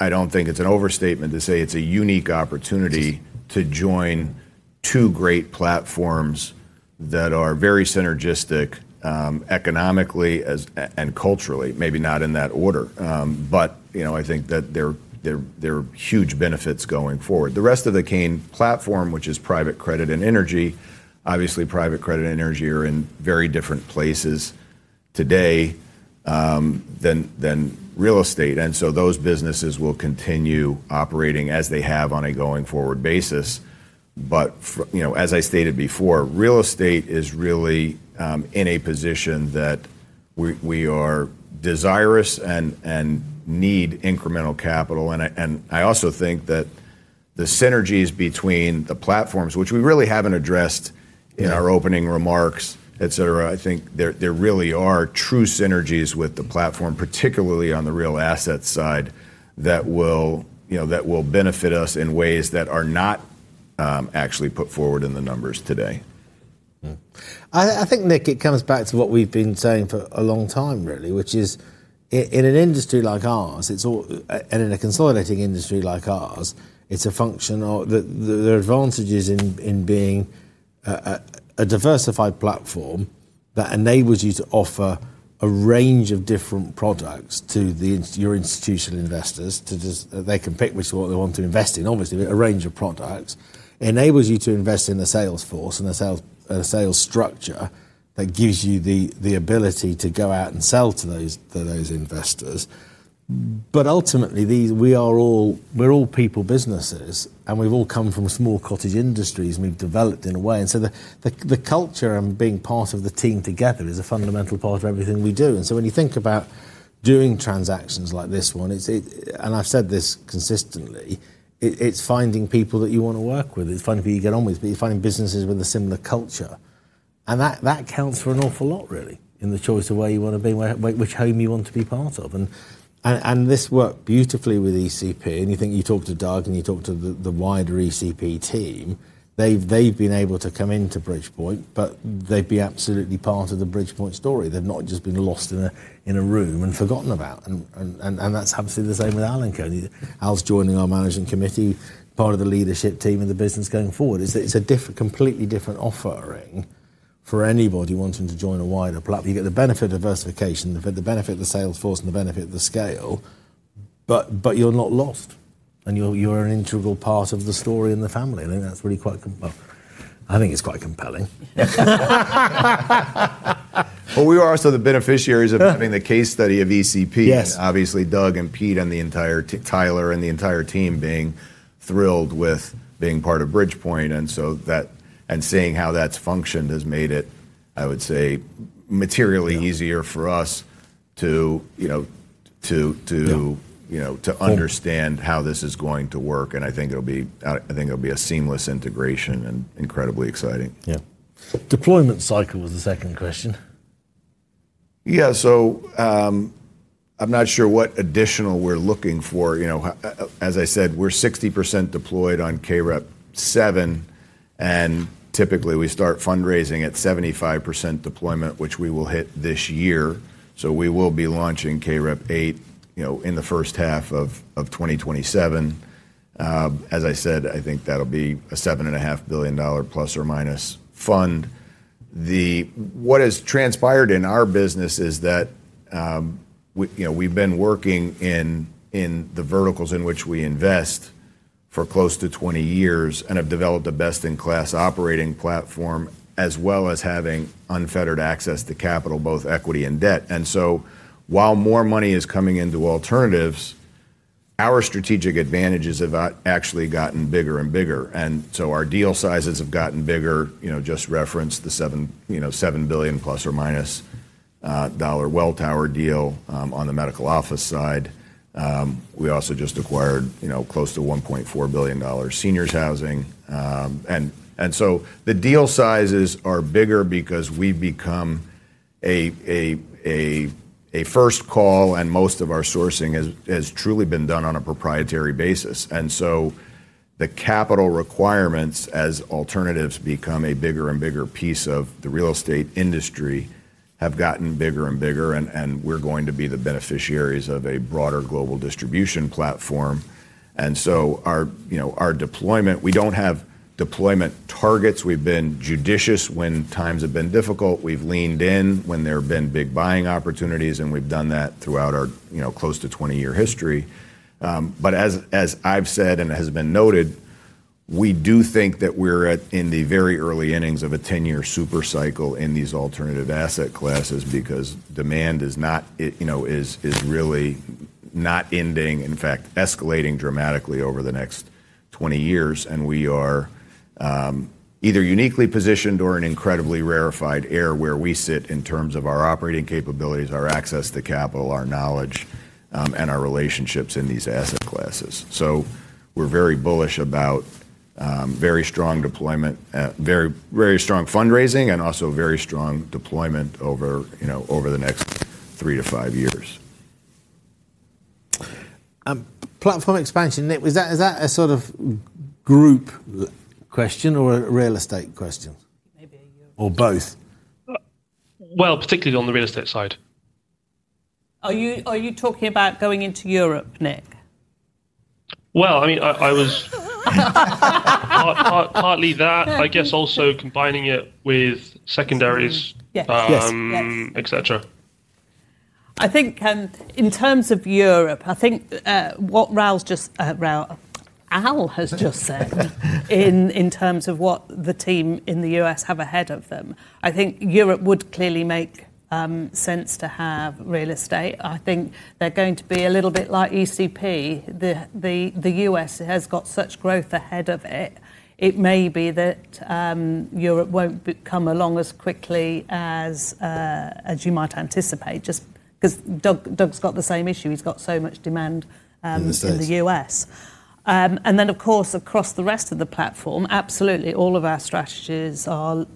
I don't think it's an overstatement to say it's a unique opportunity to join two great platforms that are very synergistic, economically and culturally. Maybe not in that order. I think that there are huge benefits going forward. The rest of the Kayne platform, which is private credit and energy, obviously private credit and energy are in very different places today than real estate. So those businesses will continue operating as they have on a going forward basis. As I stated before, real estate is really in a position that we are desirous and need incremental capital. I also think that the synergies between the platforms, which we really haven't addressed in our opening remarks, et cetera, I think there really are true synergies with the platform, particularly on the real asset side, that will benefit us in ways that are not actually put forward in the numbers today. I think, Nick, it comes back to what we've been saying for a long time really, which is in an industry like ours, in a consolidating industry like ours, there are advantages in being a diversified platform that enables you to offer a range of different products to your institutional investors. They can pick which one they want to invest in, obviously, but a range of products. Enables you to invest in the sales force and a sales structure that gives you the ability to go out and sell to those investors. Ultimately, we're all people businesses, and we've all come from small cottage industries, and we've developed in a way. The culture and being part of the team together is a fundamental part of everything we do. When you think about doing transactions like this one, and I've said this consistently, it's finding people that you want to work with. It's finding people you get on with, but you're finding businesses with a similar culture. That counts for an awful lot, really, in the choice of where you want to be, which home you want to be part of. This worked beautifully with ECP, and you think you talk to Doug and you talk to the wider ECP team, they've been able to come into Bridgepoint, but they'd be absolutely part of the Bridgepoint story. They've not just been lost in a room and forgotten about. That's obviously the same with Al. Al's joining our managing committee, part of the leadership team in the business going forward. It's a completely different offering for anybody wanting to join a wider platform. You get the benefit of diversification, the benefit of the sales force, and the benefit of the scale, but you're not lost, and you're an integral part of the story and the family, and I think that's really quite Well, I think it's quite compelling. Well, we are also the beneficiaries of the case study of ECP. Yes. Obviously Doug, Pete, and Tyler, and the entire team being thrilled with being part of Bridgepoint, and seeing how that's functioned has made it, I would say, materially easier for us. Yeah To understand how this is going to work, and I think it'll be a seamless integration and incredibly exciting. Yeah. Deployment cycle was the second question. Yeah, I'm not sure what additional we're looking for. As I said, we're 60% deployed on KAREP VII, and typically, we start fundraising at 75% deployment, which we will hit this year. We will be launching KAREP VIII in the first half of 2027. As I said, I think that'll be a $7.5 billion ± fund. What has transpired in our business is that we've been working in the verticals in which we invest for close to 20 years and have developed a best-in-class operating platform, as well as having unfettered access to capital, both equity and debt. While more money is coming into alternatives, our strategic advantages have actually gotten bigger and bigger. Our deal sizes have gotten bigger. Just referenced the $7 billion ± Welltower deal on the medical office side. We also just acquired close to GBP 1.4 billion seniors housing. The deal sizes are bigger because we've become a first call, and most of our sourcing has truly been done on a proprietary basis. The capital requirements as alternatives become a bigger and bigger piece of the real estate industry have gotten bigger and bigger, and we're going to be the beneficiaries of a broader global distribution platform. Our deployment, we don't have deployment targets. We've been judicious when times have been difficult. We've leaned in when there have been big buying opportunities, and we've done that throughout our close to 20-year history. As I've said and has been noted, we do think that we're in the very early innings of a 10-year super cycle in these alternative asset classes because demand is really not ending, in fact, escalating dramatically over the next 20 years. We are either uniquely positioned or in incredibly rarefied air where we sit in terms of our operating capabilities, our access to capital, our knowledge, and our relationships in these asset classes. We're very bullish about very strong deployment, very strong fundraising, and also very strong deployment over the next three to five years. Platform expansion, Nick, is that a sort of group question or a real estate question? Maybe a Europe question. Both? Well, particularly on the real estate side. Are you talking about going into Europe, Nick? Well, I was partly that. I guess also combining it with secondaries. Yes. Yes. Et cetera. I think in terms of Europe, I think what Al has just said in terms of what the team in the U.S. have ahead of them, I think Europe would clearly make sense to have real estate. I think they're going to be a little bit like ECP. The U.S. has got such growth ahead of it. It may be that Europe won't come along as quickly as you might anticipate, just because Doug's got the same issue, he's got so much demand. In the States. in the U.S. Of course, across the rest of the platform, absolutely all of our strategies are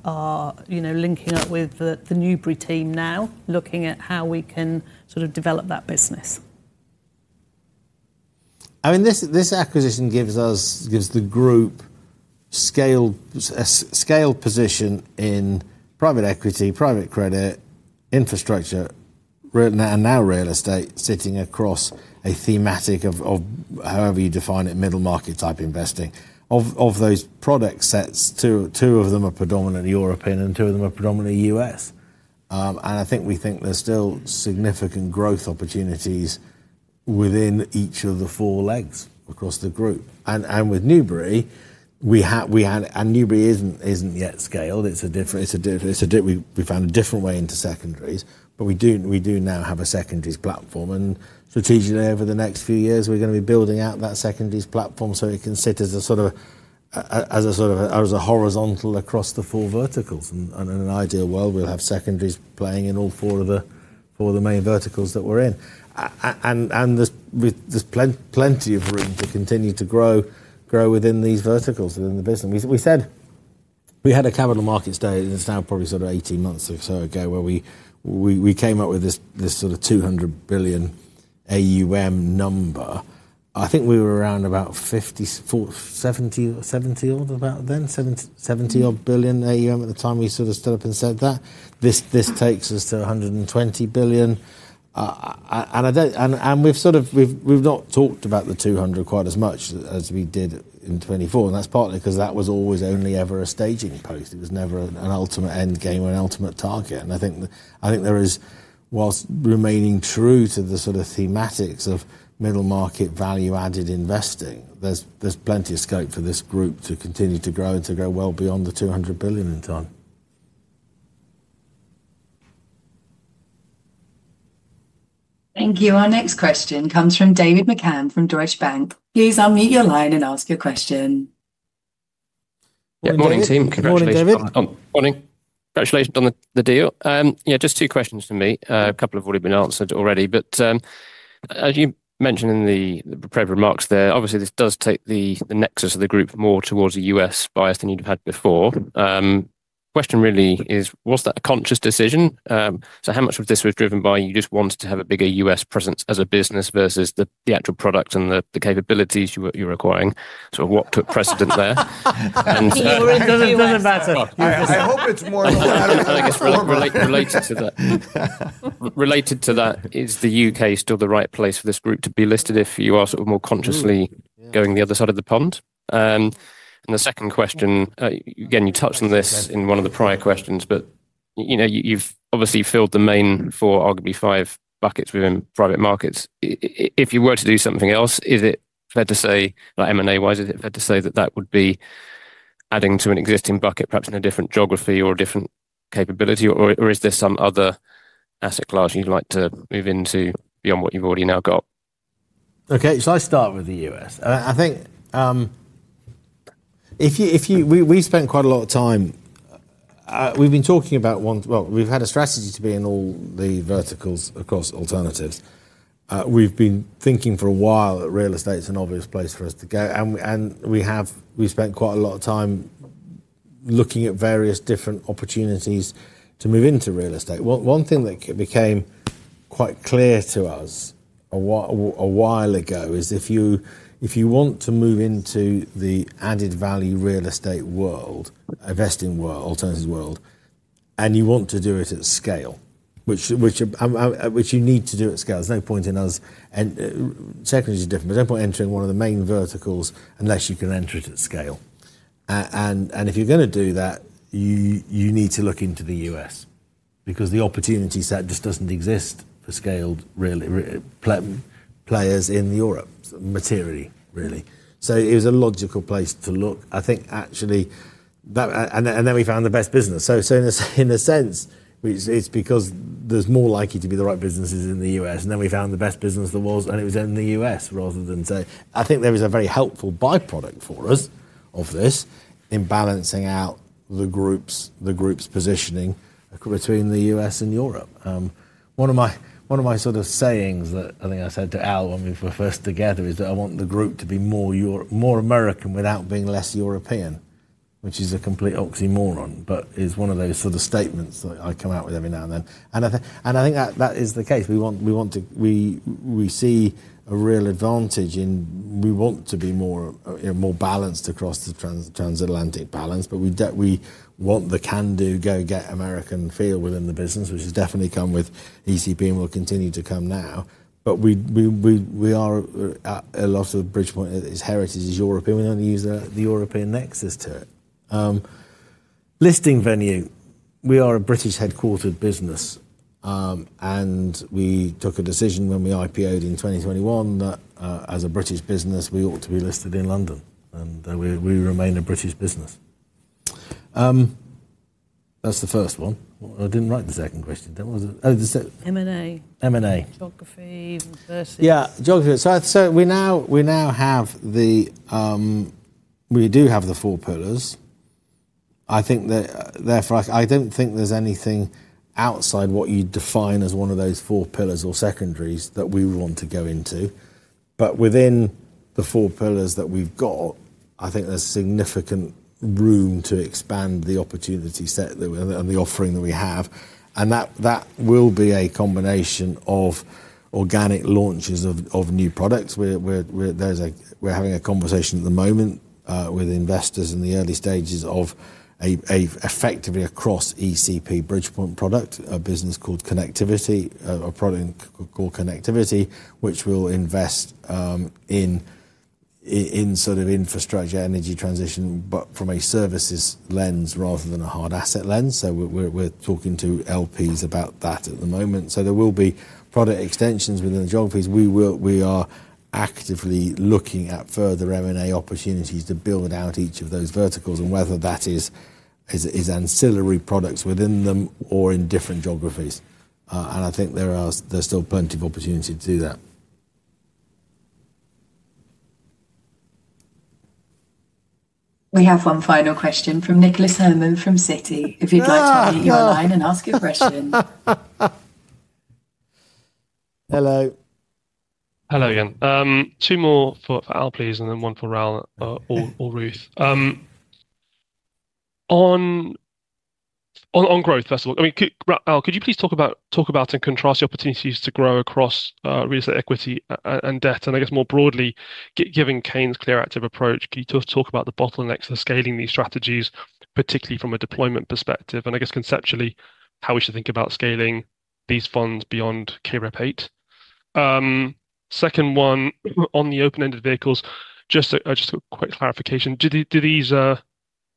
linking up with the Newbury team now, looking at how we can sort of develop that business. This acquisition gives the group scaled position in private equity, private credit, infrastructure, and now real estate sitting across a thematic of, however you define it, middle-market type investing. Of those product sets, two of them are predominantly European and two of them are predominantly U.S. I think we think there's still significant growth opportunities within each of the four legs across the group. With Newbury isn't yet scaled, we found a different way into secondaries, we do now have a secondaries platform. Strategically over the next few years, we're going to be building out that secondaries platform so it can sit as a sort of horizontal across the four verticals. In an ideal world, we'll have secondaries playing in all four of the main verticals that we're in. There's plenty of room to continue to grow within these verticals within the business. We said we had a capital markets day, it's now probably sort of 18 months or so ago, where we came up with this sort of 200 billion AUM number. I think we were around about 50, 70 odd about then, 70 odd billion AUM at the time we sort of stood up and said that. This takes us to 120 billion. We've not talked about the 200 quite as much as we did in 2024. That's partly because that was always only ever a staging post. It was never an ultimate end game or an ultimate target. I think there is, whilst remaining true to the sort of thematics of middle-market value-added investing, there's plenty of scope for this group to continue to grow and to grow well beyond the 200 billion in time. Thank you. Our next question comes from David McCann from Deutsche Bank. Please unmute your line and ask your question. Yeah, morning team. Good morning, David. Morning. Congratulations on the deal. Yeah, just two questions from me. A couple have already been answered already, but as you mentioned in the prepared remarks there, obviously, this does take the nexus of the group more towards a U.S. bias than you'd have had before. Question really is, was that a conscious decision? How much of this was driven by you just wanted to have a bigger U.S. presence as a business versus the actual product and the capabilities you're acquiring? Sort of what took precedent there? It doesn't even matter. I hope it's more. I hope it's more about. Related to that, is the U.K. still the right place for this group to be listed if you are sort of more consciously going the other side of the pond? The second question, again, you touched on this in one of the prior questions, but you've obviously filled the main four, arguably five buckets within private markets. If you were to do something else, M&A-wise, is it fair to say that that would be adding to an existing bucket, perhaps in a different geography or a different capability? Is there some other asset class you'd like to move into beyond what you've already now got? Okay, I start with the U.S. We've spent quite a lot of time. We've had a strategy to be in all the verticals across alternatives. We've been thinking for a while that real estate's an obvious place for us to go. We spent quite a lot of time looking at various different opportunities to move into real estate. One thing that became quite clear to us a while ago is if you want to move into the added value real estate world, investing world, alternatives world, you want to do it at scale, which you need to do at scale. Secondaries are different, there's no point entering one of the main verticals unless you can enter it at scale. If you're going to do that, you need to look into the U.S. because the opportunity set just doesn't exist for scaled players in Europe materially, really. It was a logical place to look. We found the best business. In a sense, it's because there's more likely to be the right businesses in the U.S. We found the best business there was, it was in the U.S. rather than say I think there is a very helpful byproduct for us of this in balancing out the group's positioning between the U.S. and Europe. One of my sayings that I think I said to Al when we were first together is that I want the group to be more American without being less European, which is a complete oxymoron, is one of those sort of statements that I come out with every now and then. I think that is the case. We see a real advantage in we want to be more balanced across the transatlantic balance, we want the can-do go-get American feel within the business, which has definitely come with ECP and will continue to come now. A lot of Bridgepoint, its heritage is European. We only use the European nexus to it. Listing venue. We are a British headquartered business. We took a decision when we IPO'd in 2021 that as a British business, we ought to be listed in London. We remain a British business. That's the first one. I didn't write the second question down, was it? M&A. M&A. Geography versus. Yeah. Geography. We now do have the four pillars. I think, therefore, I don't think there's anything outside what you'd define as one of those four pillars or secondaries that we want to go into. Within the four pillars that we've got, I think there's significant room to expand the opportunity set and the offering that we have, and that will be a combination of organic launches of new products, where we're having a conversation at the moment with investors in the early stages of effectively across ECP Bridgepoint product, a business called Connectivity, a product called Connectivity, which we'll invest in sort of infrastructure, energy transition, but from a services lens rather than a hard asset lens. We're talking to LPs about that at the moment. There will be product extensions within the geographies. We are actively looking at further M&A opportunities to build out each of those verticals and whether that is ancillary products within them or in different geographies. I think there's still plenty of opportunity to do that. We have one final question from Nicholas Herman from Citi, if you'd God. Like to unmute your line and ask your question. Hello. Hello, again. Two more for Al, please, then one for Raoul or Ruth. On growth, first of all, Al, could you please talk about and contrast the opportunities to grow across real estate equity and debt, and I guess more broadly, given Kayne's clear active approach, can you talk about the bottlenecks to scaling these strategies, particularly from a deployment perspective? I guess conceptually, how we should think about scaling these funds beyond KAREP VIII. Second one, on the open-ended vehicles, just a quick clarification. Do these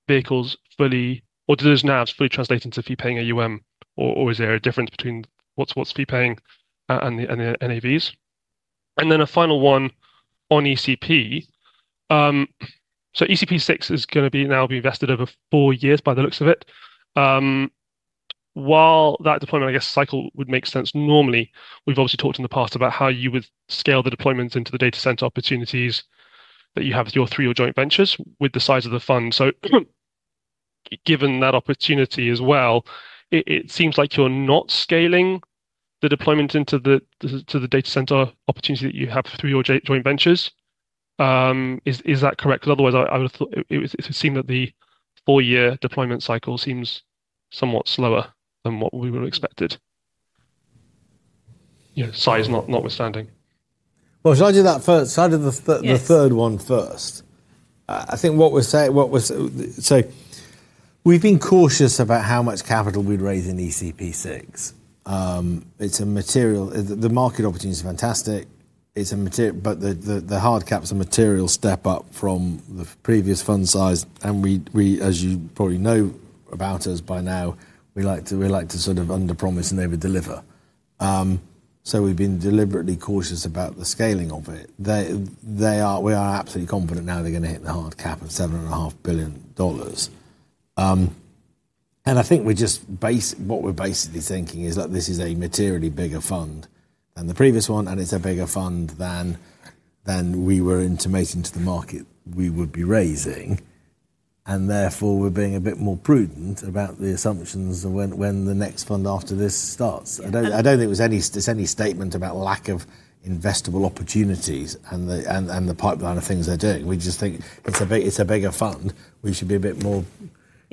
vehicles fully, or do those NAVs fully translate into fee-paying AUM or is there a difference between what's fee-paying and the NAVs? Then a final one on ECP. ECP VI is going to now be invested over four years by the looks of it. While that deployment, I guess, cycle would make sense normally, we've obviously talked in the past about how you would scale the deployments into the data center opportunities that you have through your joint ventures with the size of the fund. Given that opportunity as well, it seems like you're not scaling the deployment into the data center opportunity that you have through your joint ventures. Is that correct? Otherwise, it would seem that the four-year deployment cycle seems somewhat slower than what we were expected, size notwithstanding. Shall I do the third one first? Yes. We've been cautious about how much capital we'd raise in ECP VI. The market opportunity is fantastic, the hard cap is a material step up from the previous fund size, and as you probably know about us by now, we like to sort of underpromise and overdeliver. We've been deliberately cautious about the scaling of it. We are absolutely confident now they're going to hit the hard cap of $7.5 billion. I think what we're basically thinking is that this is a materially bigger fund than the previous one, and it's a bigger fund than we were intimating to the market we would be raising, and therefore, we're being a bit more prudent about the assumptions and when the next fund after this starts. I don't think there's any statement about lack of investable opportunities and the pipeline of things they're doing. We just think it's a bigger fund. We should be a bit more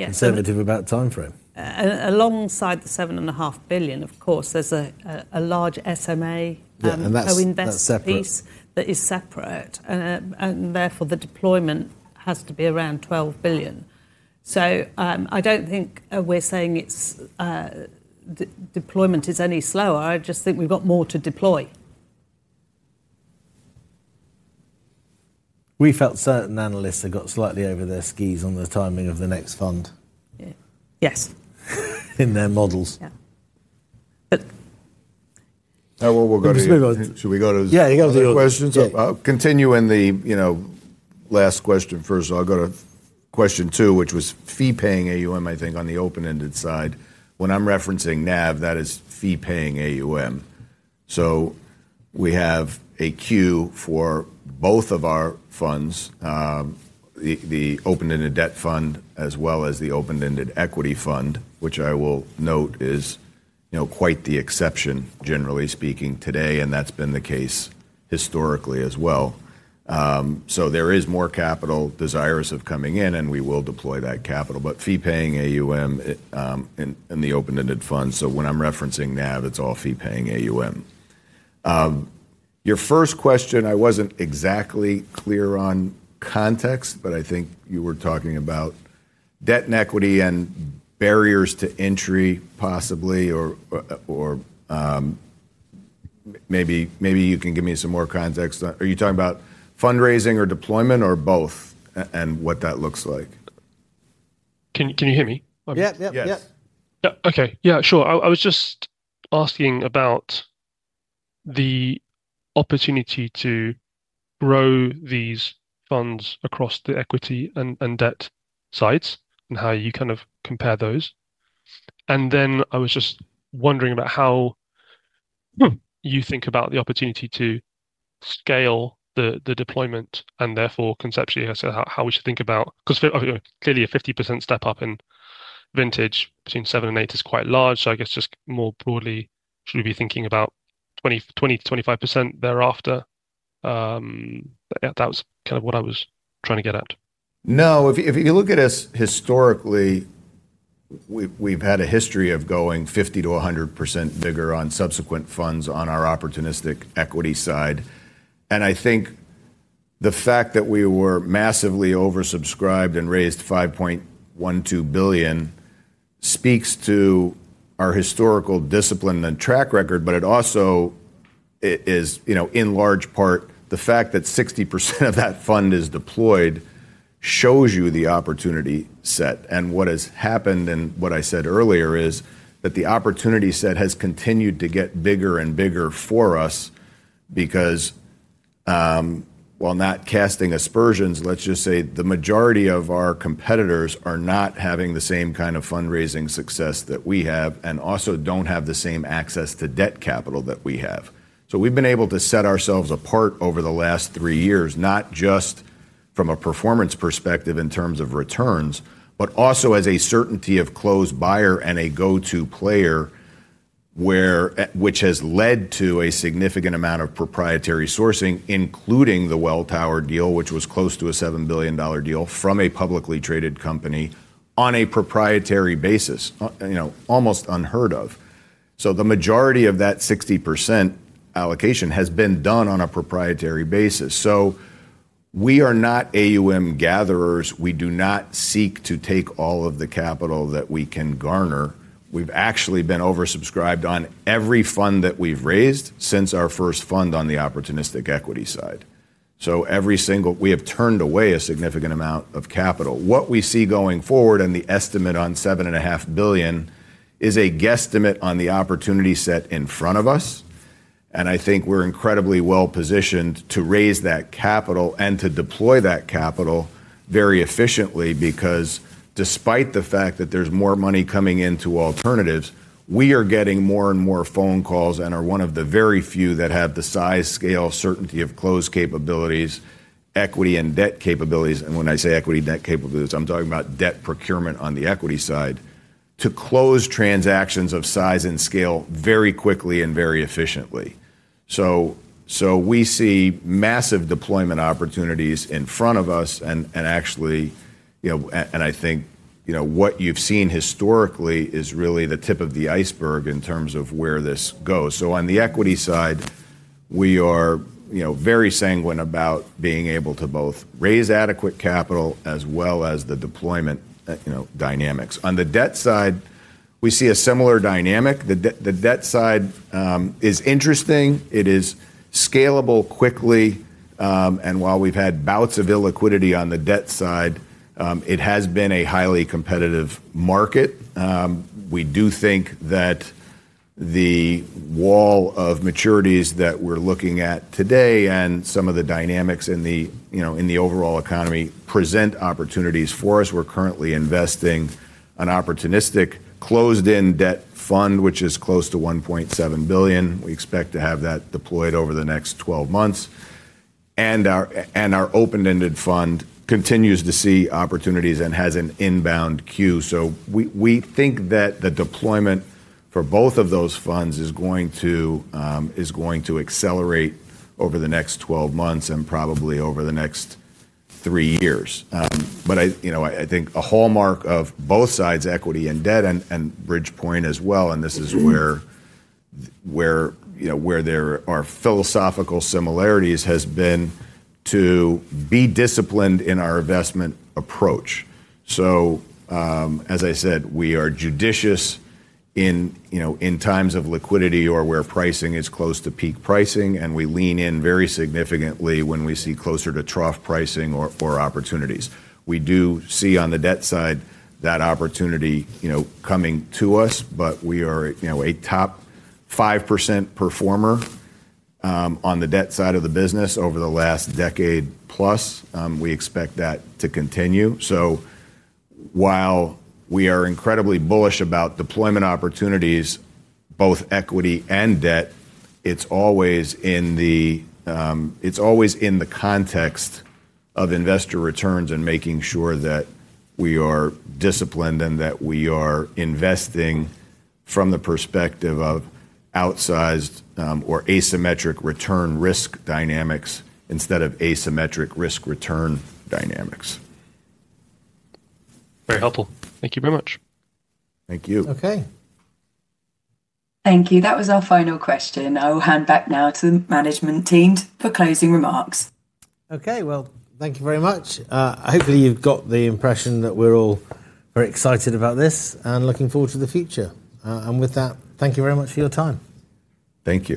conservative about the timeframe. Alongside the $7.5 billion, of course, there's a large SMA. Yeah, that's separate Co-invest piece that is separate. Therefore, the deployment has to be around 12 billion. I don't think we're saying deployment is any slower. I just think we've got more to deploy. We felt certain analysts had got slightly over their skis on the timing of the next fund. Yeah. Yes. In their models. Yeah. Now what we're going to Let's move on. Should we go to the other questions? Yeah, you go to the other questions. Yeah. I'll continue in the last question first. I'll go to question two, which was fee-paying AUM, I think, on the open-ended side. When I'm referencing NAV, that is fee-paying AUM. We have a queue for both of our funds, the open-ended debt fund as well as the open-ended equity fund, which I will note is quite the exception, generally speaking, today, and that's been the case historically as well. There is more capital desirous of coming in, and we will deploy that capital. But fee-paying AUM in the open-ended fund. When I'm referencing NAV, it's all fee-paying AUM. Your first question, I wasn't exactly clear on context, but I think you were talking about debt and equity and barriers to entry possibly, or maybe you can give me some more context. Are you talking about fundraising or deployment, or both, and what that looks like? Can you hear me? Yeah. Yes. Yeah. Okay. Yeah, sure. I was just asking about the opportunity to grow these funds across the equity and debt sides and how you compare those. I was just wondering about how you think about the opportunity to scale the deployment. Therefore conceptually, how we should think about. Clearly a 50% step up in vintage between seven and eight is quite large. I guess just more broadly, should we be thinking about 20%-25% thereafter? Yeah, that was what I was trying to get at. No. If you look at us historically, we've had a history of going 50%-100% bigger on subsequent funds on our opportunistic equity side. I think the fact that we were massively oversubscribed and raised $5.12 billion speaks to our historical discipline and track record. It also is, in large part, the fact that 60% of that fund is deployed shows you the opportunity set. What has happened, and what I said earlier is that the opportunity set has continued to get bigger and bigger for us because, while not casting aspersions, let's just say the majority of our competitors are not having the same kind of fundraising success that we have and also don't have the same access to debt capital that we have. We've been able to set ourselves apart over the last three years, not just from a performance perspective in terms of returns, but also as a certainty of close buyer and a go-to player, which has led to a significant amount of proprietary sourcing, including the Welltower deal, which was close to a $7 billion deal from a publicly traded company on a proprietary basis. Almost unheard of. The majority of that 60% allocation has been done on a proprietary basis. We are not AUM gatherers. We do not seek to take all of the capital that we can garner. We've actually been oversubscribed on every fund that we've raised since our first fund on the opportunistic equity side. Every single, we have turned away a significant amount of capital. What we see going forward, the estimate on $7.5 billion, is a guesstimate on the opportunity set in front of us. I think we're incredibly well-positioned to raise that capital and to deploy that capital very efficiently because despite the fact that there's more money coming into alternatives, we are getting more and more phone calls and are one of the very few that have the size, scale, certainty of close capabilities, equity and debt capabilities. When I say equity, debt capabilities, I'm talking about debt procurement on the equity side to close transactions of size and scale very quickly and very efficiently. We see massive deployment opportunities in front of us and actually, I think what you've seen historically is really the tip of the iceberg in terms of where this goes. On the equity side, we are very sanguine about being able to both raise adequate capital as well as the deployment dynamics. On the debt side, we see a similar dynamic. The debt side is interesting. It is scalable quickly. While we've had bouts of illiquidity on the debt side, it has been a highly competitive market. We do think that the wall of maturities that we're looking at today and some of the dynamics in the overall economy present opportunities for us. We're currently investing an opportunistic closed-end debt fund, which is close to 1.7 billion. We expect to have that deployed over the next 12 months. Our open-ended fund continues to see opportunities and has an inbound queue. We think that the deployment for both of those funds is going to accelerate over the next 12 months and probably over the next three years. I think a hallmark of both sides, equity and debt and Bridgepoint as well, and this is where there are philosophical similarities, has been to be disciplined in our investment approach. As I said, we are judicious in times of liquidity or where pricing is close to peak pricing, and we lean in very significantly when we see closer to trough pricing or opportunities. We do see on the debt side that opportunity coming to us, but we are a top 5% performer on the debt side of the business over the last decade plus. We expect that to continue. While we are incredibly bullish about deployment opportunities, both equity and debt, it's always in the context of investor returns and making sure that we are disciplined and that we are investing from the perspective of outsized or asymmetric return risk dynamics instead of asymmetric risk return dynamics. Very helpful. Thank you very much. Thank you. Okay. Thank you. That was our final question. I will hand back now to the management team for closing remarks. Well, thank you very much. Hopefully, you've got the impression that we're all very excited about this and looking forward to the future. With that, thank you very much for your time. Thank you.